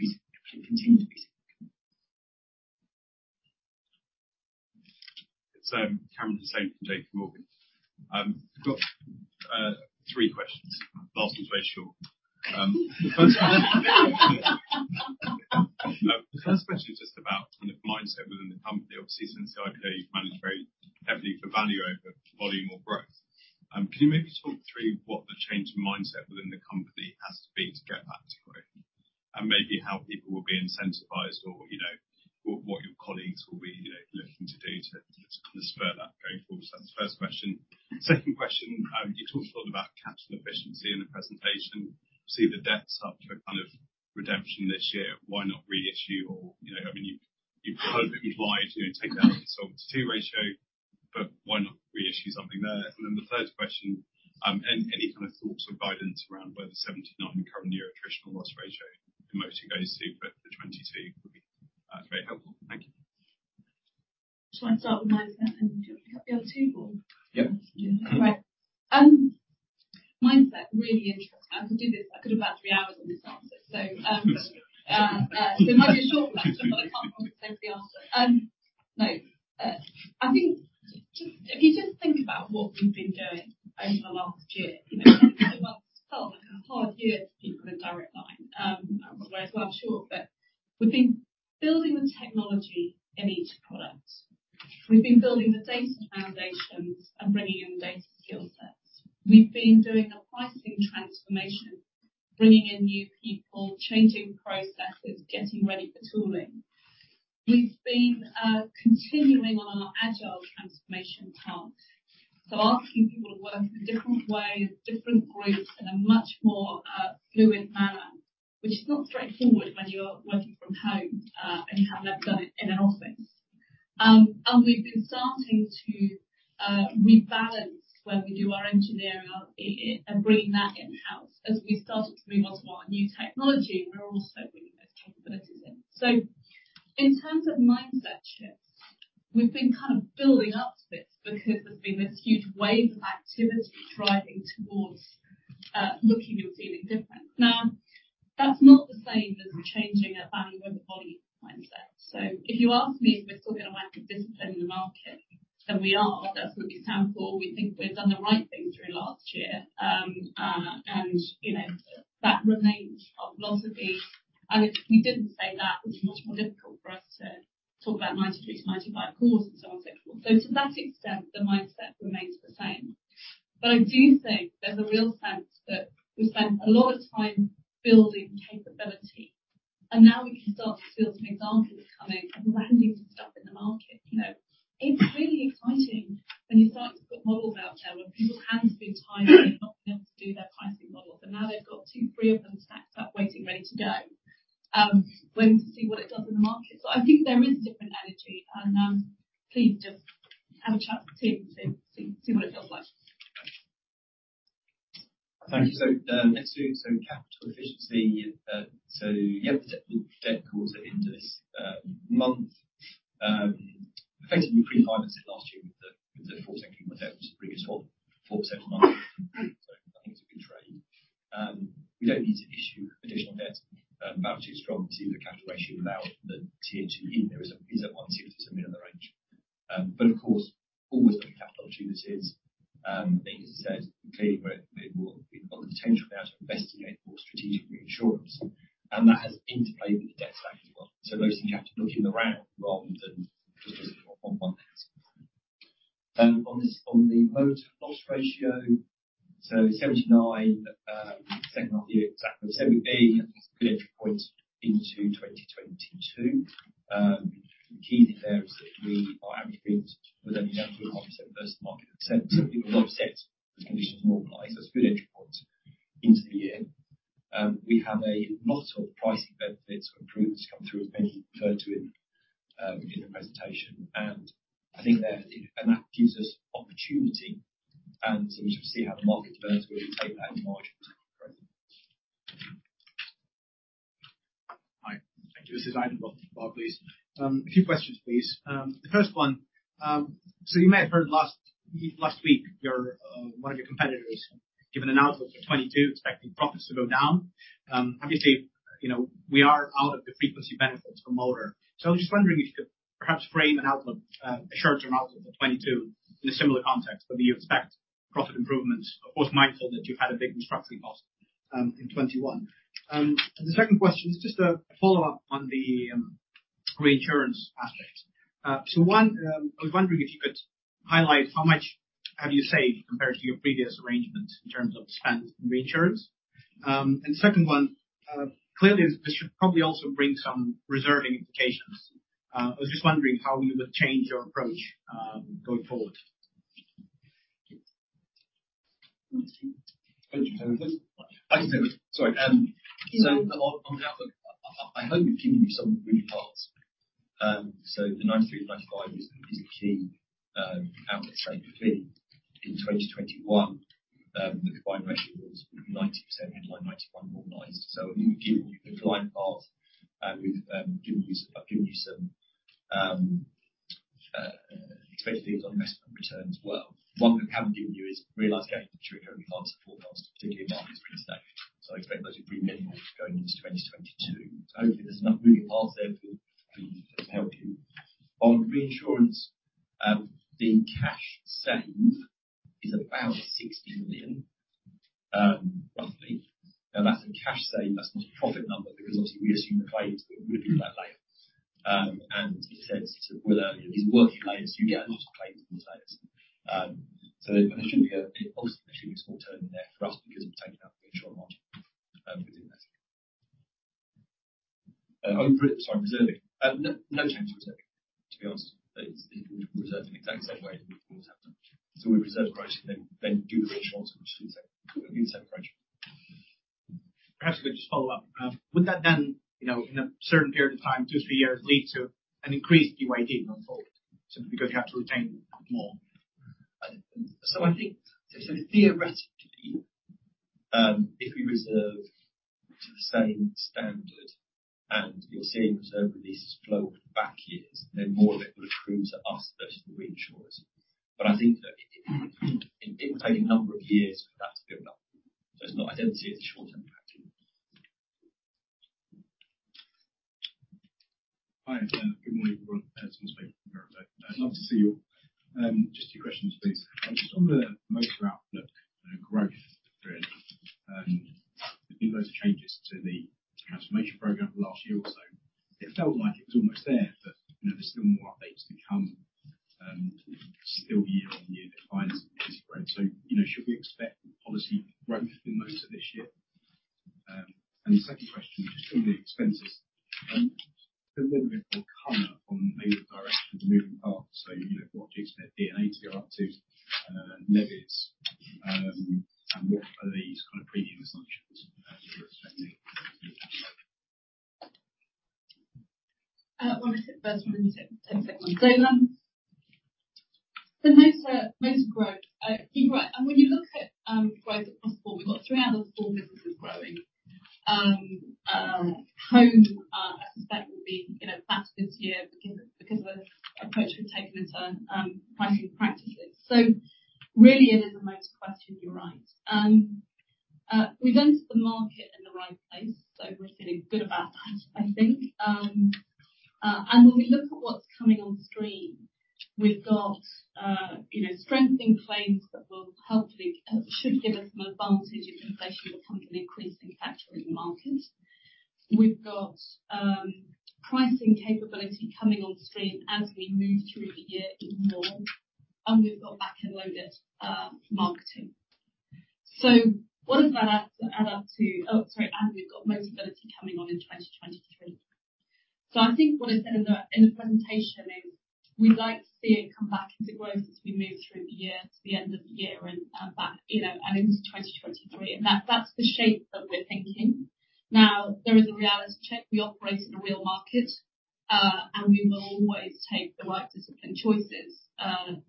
continue to be significant. It's Farooq Hanif from JPMorgan. I've got three questions. Last one's very short. The first question is just about kind of mindset within the company. Obviously, since the IPO, you've managed very heavily for value over volume or growth. Can you maybe talk through what the change in mindset within the company has to be to get that to grow? And maybe how people will be incentivized or, you know, or what your colleagues will be, you know, looking to do to spur that going forward. That's the first question. Second question, you talked a lot about capital efficiency in the presentation. There's the debt subject to a kind of redemption this year. Why not reissue or, you know, I mean, you've issued it. You'd like to take that off the solvency ratio, but why not reissue something there? Then the third question, and any kind of thoughts or guidance around whether 79% current year traditional loss ratio in Motor goes to 80% for 2022 would be very helpful. Thank you. Do you want to start with mindset, and you help me with the other two or? Yeah. Right. Mindset, really interesting. I could do this, I could have about three hours on this answer. There might be a short answer, but I can't promise length of the answer. No. I think if you just think about what we've been doing over the last year, you know it was a hell of a hard year for Direct Line. Whereas while short, but we've been building the technology in each product. We've been building the data foundations and bringing in data skill sets. We've been doing a pricing transformation, bringing in new people, changing processes, getting ready for tooling. We've been continuing on our agile transformation path. Asking people to work in different ways, different groups in a much more fluid manner, which is not straightforward when you are working from home and you have never done it in an office. We've been starting to rebalance where we do our engineering and bringing that in-house. As we started to move onto our new technology, we're also bringing those capabilities in. In terms of mindset shifts, we've been kind of building up to this because there's been this huge wave of activity driving towards looking and feeling different. Now, that's not the same as changing a value-over-volume mindset. If you ask me if we're still gonna work with discipline in the market, then we are. Definitely stand for. We think we've done the right thing through last year. You know, that remains our philosophy. If we didn't say that, it would be much more difficult for us to talk about 93-95 CORs and so on, so forth. To that extent, the mindset remains the same. I do think there's a real sense that we've spent a lot of time building capability, and now we can start to see some examples coming and landing some stuff in the market. You know, it's really exciting when you're starting to put models out there when people's hands have been tied and not been able to do their pricing models, and now they've got two, three of them stacked up, waiting, ready to go, waiting to see what it does in the market. I think there is different energy and, please just have a chat with the team to see what it looks like. Thank you. Next thing, capital efficiency. Yeah, the debt calls are into this month. Effectively pre-financed it last year with the fourteen-point debt, which bring us on 4% margin. I think it's a good trade. We don't need to issue additional debt. Balance sheet's strong to the capital ratio. Now the Tier 2 in there is at 10 mid on the range. But of course, always with capital opportunities, as Penny says, clearly we're more. We've got the potential now to investigate more strategic reinsurance, and that has interplay with the debt stack as well. Mostly capital looking around rather than on one thing. On the Motor loss ratio, 79% second half year, exactly 78%, good entry point into 2022. The key there is that we are attracting with only 1% versus market of 10%. Premiums offset as conditions normalize. That's a good entry point into the year. We have a lot of pricing benefits or improvements come through, as Penny referred to in her presentation. I think that gives us opportunity. We shall see how the market bears, really take that margin. Hi. Thank you. This is Ivan Bokhmat, Barclays. A few questions, please. The first one, so you may have heard last week, your one of your competitors given an outlook for 2022 expecting profits to go down. Obviously, you know, we are out of the frequency benefits for Motor. I'm just wondering if you could perhaps frame an outlook, a short-term outlook for 2022 in a similar context, whether you expect profit improvements. Of course, mindful that you had a big restructuring cost in 2021. The second question is just a follow-up on the reinsurance aspect. So one, I was wondering if you could highlight how much have you saved compared to your previous arrangements in terms of spend in reinsurance. And second one, clearly this should probably also bring some reserving implications. I was just wondering how you would change your approach, going forward. Do you want to take it? Thank you. On the outlook, I hope we've given you some real parts. The 93%-95% is a key outlook statement for me. In 2021, the combined ratio was 90%, headline 91% normalized. We've given you the glide path, and I've given you some expected things on investment returns as well. One we haven't given you is realized gains trigger in the last forecast, particularly in markets, real estate. I expect those to be minimal going into 2022. Hopefully there's enough moving parts there for you to help you. On reinsurance, the cash saved is about 60 million, roughly. Now, that's a cash save. That's not a profit number because obviously we assume the claims would be flatlined. As you said, sort of earlier, these working layers, you get a lot of claims from those layers. There should be ultimately a small term in there for us because we've taken out reinsurance on it within that. Reserving. No change reserving, to be honest. It's reserving exactly the same way we always have done. We reserve pricing then do the reinsurance, which is the exact approach. Perhaps if I could just follow up. Would that then, you know, in a certain period of time, two, three years, lead to an increased PYD going forward simply because you have to retain more? I think, theoretically, if we reserve to the same standard and you're seeing reserve releases flow from the back years, then more of it will accrue to us versus the reinsurers. I think that it will take a number of years for that to build up. It's not. I don't see it as a short-term impact. Hi. Good morning, everyone. It's Thomas Bateman from Berenberg. Nice to see you. Just two questions, please. Just on the Motor outlook and growth really. Given those changes to the transformation program of the last year or so, it felt like it was almost there, but you know, there's still more updates to come, still year-on-year declines in this growth. You know, should we expect policy growth in most of this year? The second question is just on the expenses. Could you give a bit more color on maybe the direction of moving parts? You know, what do you expect D&A to go up to, levies, and what are these kind of premium assumptions that you're expecting? Well, I'll take the first one and you take the second. Thomas, the Motor growth, you got. When you look at growth across the board, we've got three out of the four businesses growing. Home, I suspect will be, you know, flat this year because of the approach we've taken to pricing practices. Really it is a Motor question, you're right. We've entered the market in the right place, so we're feeling good about that I think. When we look at what's coming on stream, we've got strengthening claims that will hopefully should give us an advantage if inflation will come from an increase in factory market. We've got pricing capability coming on stream as we move through the year even more. We've got back-end loaded marketing. What does that add up to? Oh, sorry, we've got Motability coming on in 2023. I think what I said in the presentation is we'd like to see it come back into growth as we move through the year to the end of the year and back, you know, and into 2023. That, that's the shape that we're thinking. Now, there is a reality check. We operate in a real market and we will always take the right disciplined choices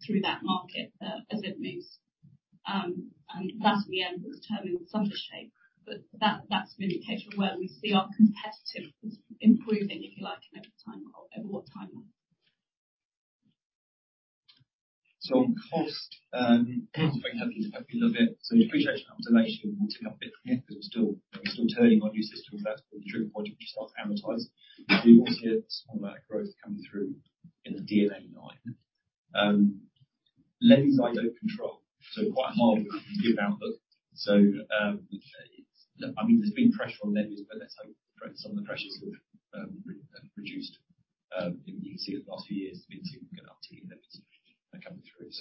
through that market as it moves. That in the end is determining what the shape. That's really a picture of where we see our competitiveness improving, if you like, in every timeline and what time. On cost, I'm going to have to look at it a little bit. The depreciation and amortization will tick up a bit here because we're still turning on new systems. That's the IT project we start to amortize. You will see a small amount of growth coming through in the D&A line. Levies I don't control, so quite hard to give outlook. Look, I mean, there's been pressure on levies, but let's hope some of the pressures have reduced. You can see that the last few years there's been significant uptick in levies coming through.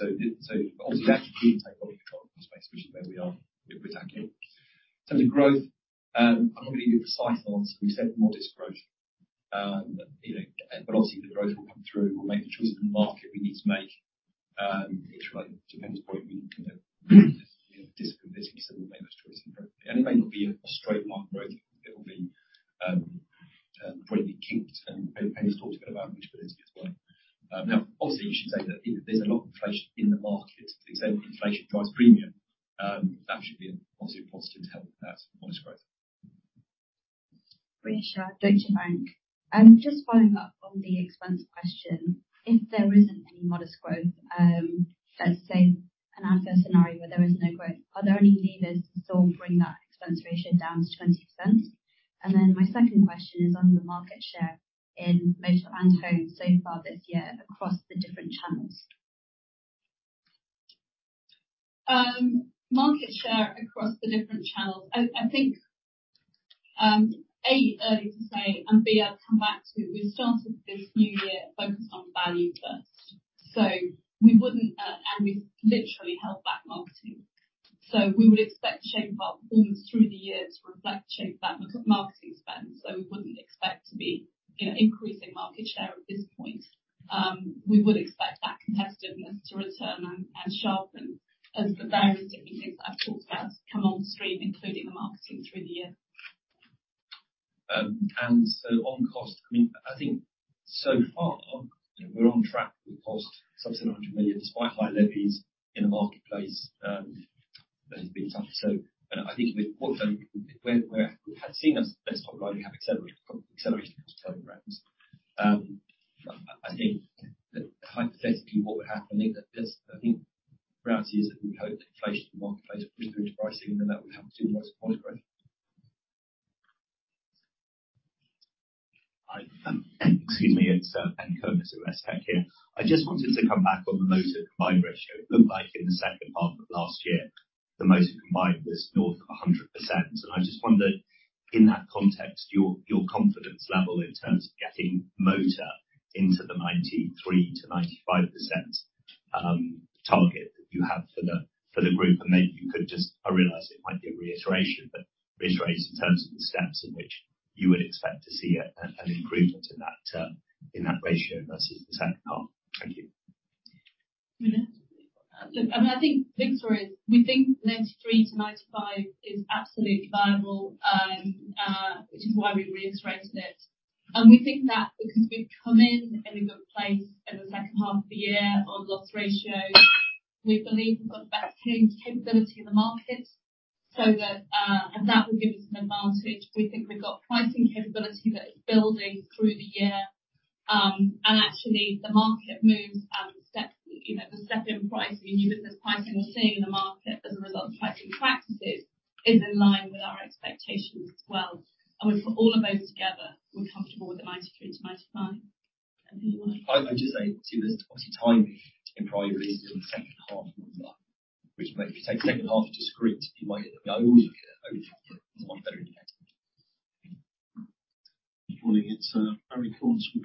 Obviously we have to keep tight hold of control across spend, which is where we are. We're tackling it. In terms of growth, I'm not going to give you a precise answer. We said modest growth. You know, obviously the growth will come through. We'll make the choices in the market we need to make. It really depends what we can do. You know, discipline, as you said, we'll make those choices. It may not be a straight line growth. It will probably be kinked. Penny's talked a bit about visibility as well. Now obviously you should say that there's a lot of inflation in the market. To the extent that inflation drives premium, that should be obviously a positive to help that modest growth. Just following up on the expense question. If there isn't any modest growth, let's say an adverse scenario where there is no growth, are there any levers to sort of bring that expense ratio down to 20%? My second question is on the market share in Motor and Home so far this year across the different channels. Market share across the different channels. I think A, it's early to say, and B, I'd come back to we started this new year focused on value first. We wouldn't, and we've literally held back marketing. We would expect shape of our performance through the year to reflect shape of that marketing spend. We wouldn't expect to be, you know, increasing market share at this point. We would expect that competitiveness to return and sharpen as the various different things that I've talked about come on stream, including the marketing through the year. On costs, I mean, I think so far we're on track with cost savings of 100 million, despite high levels in the marketplace that has been tough. I think with where we've had success online, we have accelerated cost-saving rounds. I think reality is that we hope inflation in the marketplace will improve pricing and that would help to modest growth. Hi. Excuse me. It's [Ben Curtis] at Investec here. I just wanted to come back on the Motor combined ratio. It looked like in the second part of last year, the Motor combined was north of 100%. I just wondered, in that context, your confidence level in terms of getting Motor into the 93%-95% target that you have for the group. Maybe you could just, I realize it might be a reiteration, but reiterate in terms of the steps in which you would expect to see an improvement in that ratio versus the second half. Thank you. Look, I mean, I think the big story is we think 93%-95% is absolutely viable, which is why we reiterated it. We think that because we've come in and we're in a good place in the second half of the year on loss ratios, we believe we've got better claims capability in the market, so that, and that will give us an advantage. We think we've got pricing capability that is building through the year. Actually the market moves and steps, you know, the step in pricing and new business pricing we're seeing in the market as a result of pricing practices is in line with our expectations as well. With all of those together, we're comfortable with the 93%-95%. Anyone else? I would just say too, there's obviously timing to inquiry in the second half of the year, which may. If you take the second half of discrete, you might get the overall picture over the one better indication. Good morning. It's Barrie Cornes from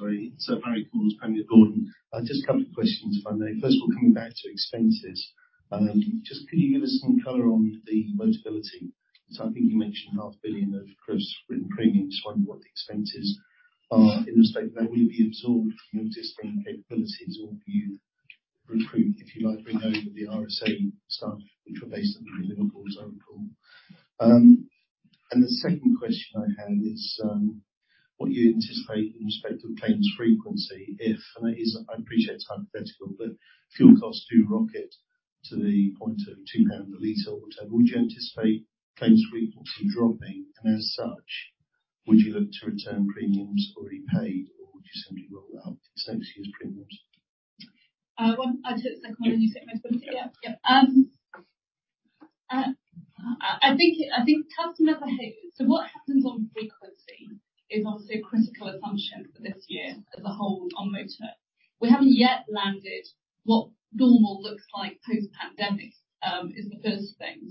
Panmure Gordon. Just a couple questions if I may. First of all, coming back to expenses, just could you give us some color on the Motability? I think you mentioned 500 million of gross written premiums. I wonder what the expenses are in respect. Will you be absorbed from your existing capabilities, or will you recruit, if you like, bring over the RSA staff, which are based up in Liverpool as I recall. The second question I had is, what do you anticipate in respect of claims frequency if, and I appreciate it's hypothetical, but fuel costs do rocket to the point of 2 pound a liter, whatever. Would you anticipate claims frequency dropping, and as such, would you look to return premiums already paid, or would you simply roll that out to next year's premiums? Well, I'll take the second one, and you take Motability. Yeah. Yep. I think customer behavior. What happens on frequency is obviously a critical assumption for this year as a whole on Motor. We haven't yet landed what normal looks like post-pandemic, is the first thing.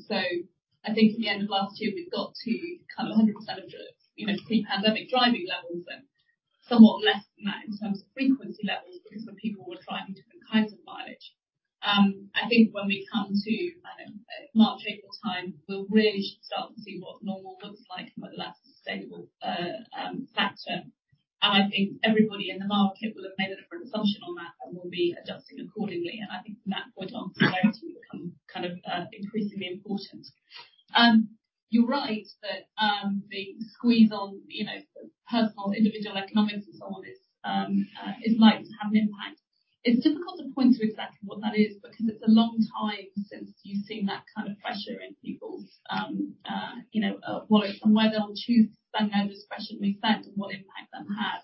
I think at the end of last year, we'd got to kind of 100% of the, you know, pre-pandemic driving levels and somewhat less than that in terms of frequency levels because some people were driving different kinds of mileage. I think when we come to, I don't know, March, April time, we'll really start to see what normal looks like from a less sustainable factor. I think everybody in the market will have made a different assumption on that and will be adjusting accordingly. I think from that point on, clarity will become kind of increasingly important. You're right that the squeeze on you know personal individual economics and so on is likely to have an impact. It's difficult to point to exactly what that is because it's a long time since you've seen that kind of pressure in people's you know wallet and whether they'll choose to spend those discretionary spend and what impact that has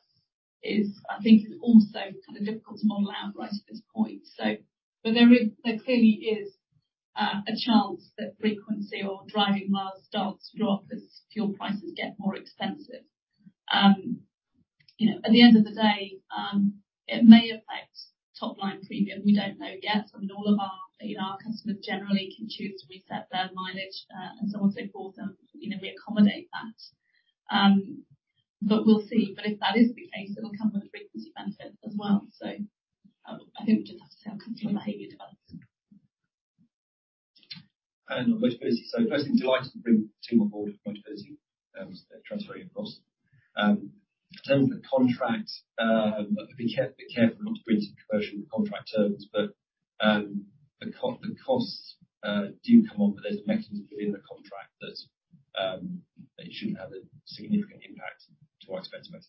is, I think, also kind of difficult to model out right at this point. There clearly is a chance that frequency or driving miles starts to drop as fuel prices get more expensive. You know at the end of the day it may affect top-line premium. We don't know yet. I mean all of our You know, our customers generally can choose to reset their mileage, and so on and so forth, and, you know, we accommodate that. We'll see. If that is the case, it'll come with a frequency benefit as well. I think we just have to see how customer behavior develops. On Motability. First thing, delighted to bring the team on board with Motability, transferring across. In terms of the contract, I've been careful not to bring into Commercial contract terms, but the costs do come on, but there's a mechanism within the contract that they shouldn't have a significant impact to our expense base.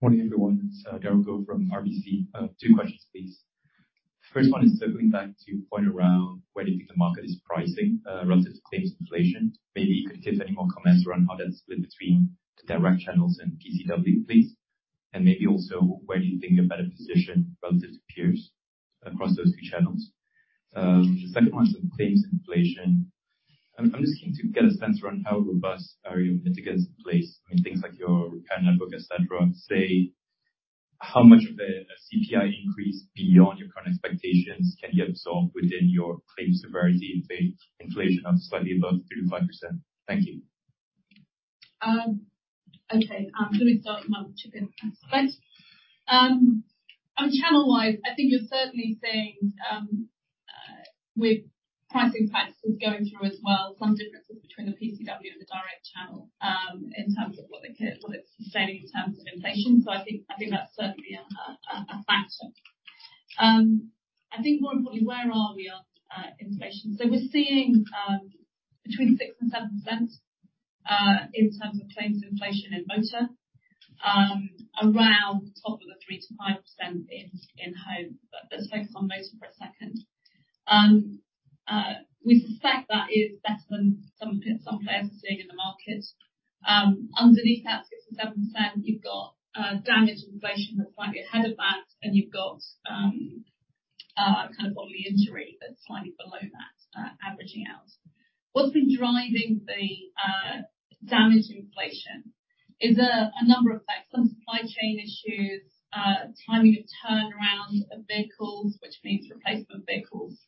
Morning, everyone. It's Derald Goh from RBC. Two questions please. First one is circling back to your point around where do you think the market is pricing relative to claims inflation. Maybe you could give any more comments around how that's split between the direct channels and PCW, please. And maybe also where do you think you're better positioned relative to peers across those two channels? The second one on claims inflation, I'm just looking to get a sense around how robust are your mitigants in place, I mean, things like your repair network, et cetera. How much of a CPI increase beyond your current expectations can be absorbed within your claims severity if the inflation are slightly above 3%-5%? Thank you. Okay. Shall we start and Neil chip in? On channel wise, I think you're certainly seeing, with pricing practices going through as well, some differences between the PCW and the direct channel, in terms of what it's saying in terms of inflation. I think that's certainly a factor. I think more importantly, where are we on inflation? We're seeing between 6% and 7% in terms of claims inflation in Motor, around top of the 3%-5% in Home. Let's focus on Motor for a second. We suspect that is better than some players are seeing in the market. Underneath that 6%-7%, you've got damage inflation that's slightly ahead of that, and you've got kind of bodily injury that's slightly below that, averaging out. What's been driving the damage inflation is a number of factors. Some supply chain issues, timing of turnaround of vehicles, which means replacement vehicles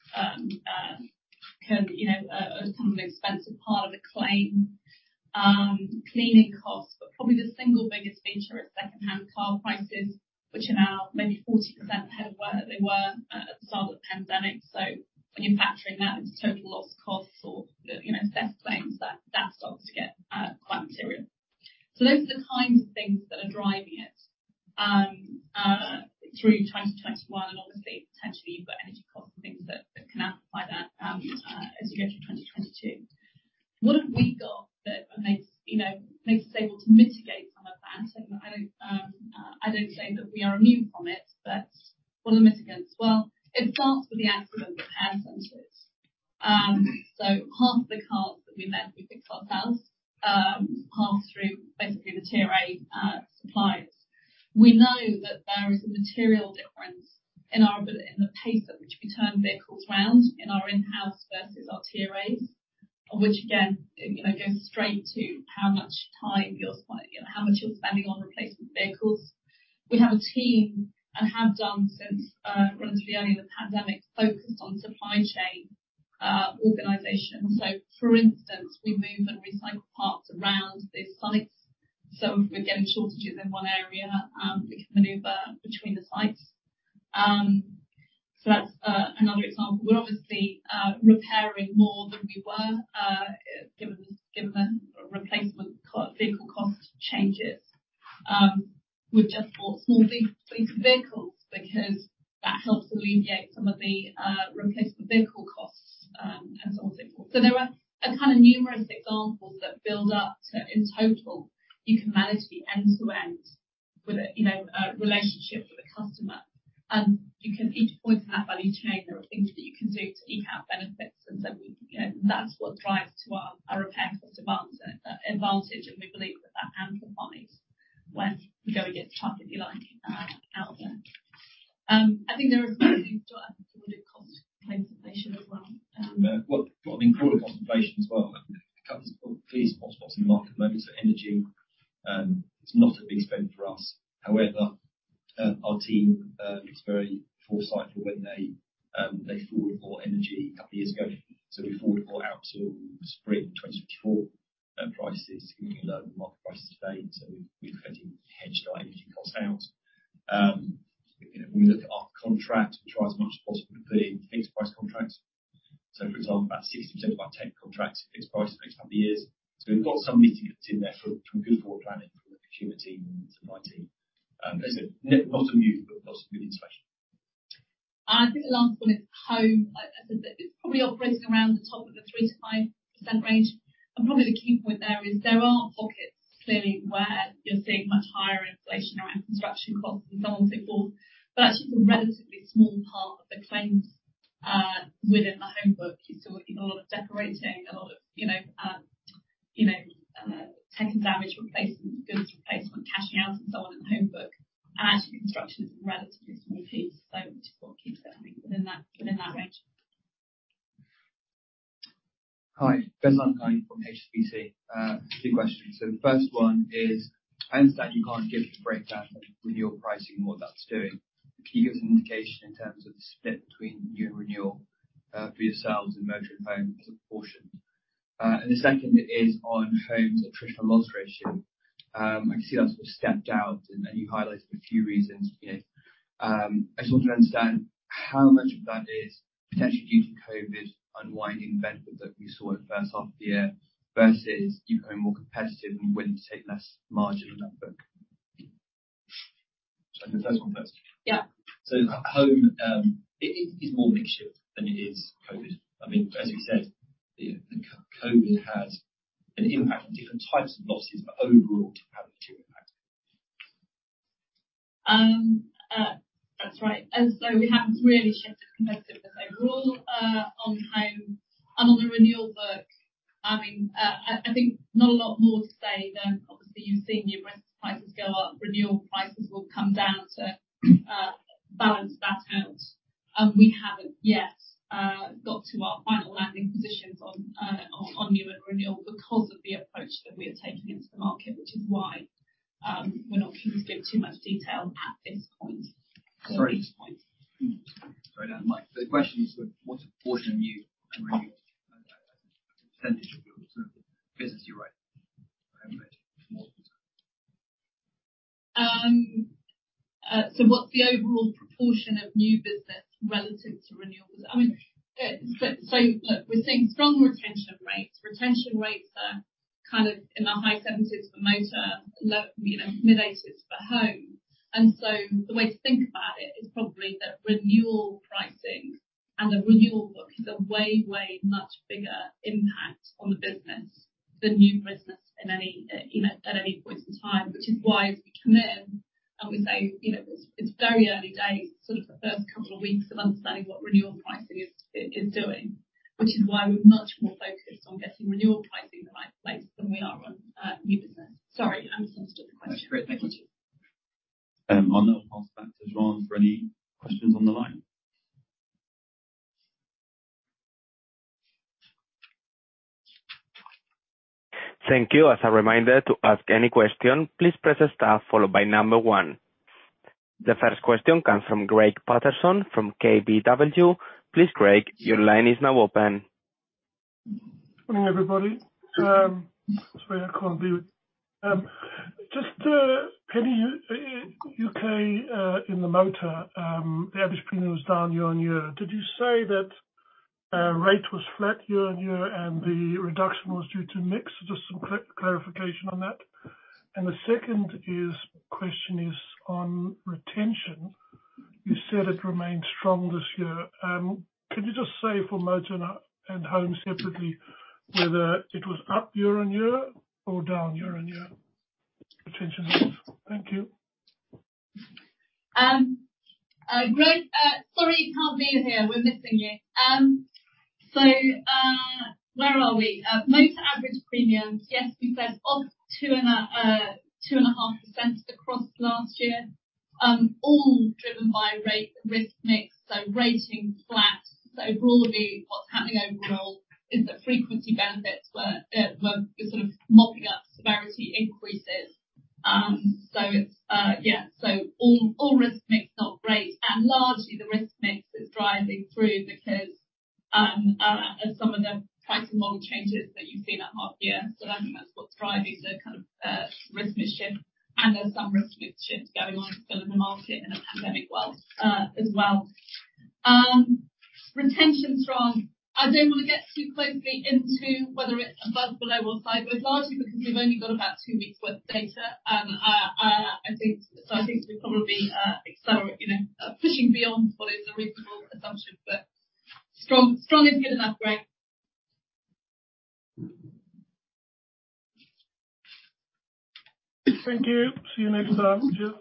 can, you know, become an expensive part of the claim. Cleaning costs, but probably the single biggest feature is secondhand car prices, which are now maybe 40% ahead where they were at the start of the pandemic. When you're factoring that into total loss costs or the, you know, theft claims, that starts to get quite material. Those are the kinds of things that are driving it through 2021 and obviously potentially you've got energy costs and things that can amplify that as you go through 2022. What have we got that makes you know makes us able to mitigate some of that? I don't say that we are immune from it, but what are the mitigants? Well, it starts with the accident repair centers. So half the cars that we repair, we fix ourselves, half through basically the Tier A suppliers. We know that there is a material difference in the pace at which we turn vehicles round in our in-house versus our Tier A's, which again you know goes straight to how much time you're you know how much you're spending on replacement vehicles. We have a team and have done since really the early days of the pandemic focused on supply chain organization. For instance, we move and recycle parts around the sites. If we're getting shortages in one area, we can maneuver between the sites. That's another example. We're obviously repairing more than we were given the replacement vehicle cost changes. We've just bought small vehicles because that helps alleviate some of the replacement vehicle costs and so on, so forth. There are kind of numerous examples that build up. In total, you can manage the end-to-end with a relationship with a customer. You can at each point in that value chain. There are things that you can do to eke out benefits. We, you know, that's what drives to our repair cost advantage. We believe that amplifies when we go against the market, if you like, out there. I think there are cost inflation as well. Well, including cost inflation as well. I think the company's probably the cheapest possible in the market maybe. Energy, it's not a big spend for us. However, our team was very foresightful when they forward bought energy a couple years ago. We forward bought out to spring 2024 prices, lower than market prices today. We've effectively hedged our energy costs out. You know, when we look at our contract, we try as much as possible to put in fixed price contracts. For example, about 60% of our tech contracts are fixed price for the next couple of years. We've got some mitigation there from good forward planning from the procurement team and supply team. As I said, we're not immune, but not really special. I think the last one is Home. Like I said, it's probably operating around the top of the 3%-5% range. Probably the key point there is there are pockets clearly where you're seeing much higher inflation around construction costs and so on, so forth. Actually, a relatively small part of the claims within the Home book. You saw, you know, a lot of decorating, a lot of, you know, tech and damage replacement, goods replacement, cashing out and so on in the Home book. Actually, construction is a relatively small piece, so which is what keeps it, I think, within that range. Hi. Brijesh Siya from HSBC. Two questions. The first one is, I understand you can't give the breakdown of renewal pricing and what that's doing. Can you give us an indication in terms of the split between new and renewal for yourselves, Motor, and Home as a proportion? The second is on Home's acquisition and loss ratio. I can see that's stepped out and you highlighted a few reasons. Yes. I just want to understand how much of that is potentially due to COVID unwinding benefits that we saw in the first half of the year versus you becoming more competitive and willing to take less margin in that book. The first one first. Yeah. Home, it is more mixed shift than it is COVID. I mean, as you said, the COVID had an impact on different types of losses, but overall it did have a material impact. That's right. We haven't really shifted competitively as a rule on Home. On the renewal book, I mean, I think not a lot more to say than obviously you've seen new business prices go up, renewal prices will come down to balance that out. We haven't yet got to our final landing positions on new and renewal because of the approach that we are taking into the market, which is why we're not going to give too much detail at this point. Sorry. At this point. Sorry to interrupt. The question is what proportion of new and renewal, as a percentage of the sort of business you write? What's the overall proportion of new business relative to renewals? I mean. Sure. Look, we're seeing strong retention rates. Retention rates are kind of in the high 70s for Motor, low, you know, mid-80s for Home. The way to think about it is probably that renewal pricing and the renewal book is a way much bigger impact on the business than new business in any, you know, at any point in time. Which is why as we come in and we say, you know, it's very early days, sort of the first couple of weeks of understanding what renewal pricing is doing, which is why we're much more focused on getting renewal pricing in the right place than we are on new business. Sorry, I misunderstood the question. That's great. Thank you. I'll now pass back to Juan for any questions on the line. Thank you. As a reminder to ask any question, please press star followed by number one. The first question comes from Greig Paterson from KBW. Please, Greig, your line is now open. Morning, everybody. Penny, in the U.K., in the Motor, the average premium was down year-on-year. Did you say that rate was flat year-on-year and the reduction was due to mix? Just some clarification on that. The second question is on retention. You said it remained strong this year. Could you just say for Motor and Home separately whether it was up year-on-year or down year-on-year, retention rates? Thank you. Greig, sorry you can't be here. We're missing you. Where are we? Motor average premiums, yes, we said up 2.5% across last year. All driven by rate, risk mix. Rating flat. Broadly, what's happening overall is that frequency benefits were sort of mopping up severity increases. It's yeah. All risk mix, not great. Largely the risk mix is driving through because some of the pricing model changes that you've seen at half year. I think that's what's driving the kind of risk mix shift. There's some risk mix shift going on still in the market in a pandemic world, as well. Retention's strong. I don't want to get too closely into whether it's above, below or sideways, largely because we've only got about two weeks' worth of data. I think we're probably you know, pushing beyond what is a reasonable assumption. Strong is good enough, Greig. Thank you. See you next time. Cheers.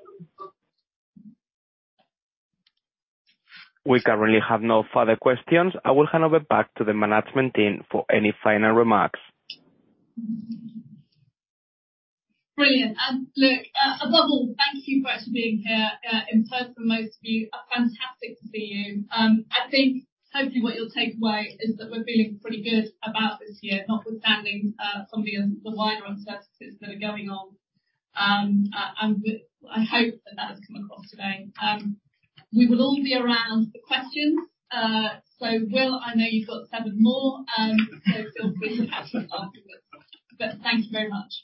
We currently have no further questions. I will hand over back to the management team for any final remarks. Brilliant. Look, above all, thank you for actually being here, in person, most of you. Fantastic to see you. I think hopefully what you'll take away is that we're feeling pretty good about this year, notwithstanding, some of the wider uncertainties that are going on. I hope that that has come across today. We will all be around for questions. Will, I know you've got seven more, so we'll be catching up afterwards. Thank you very much.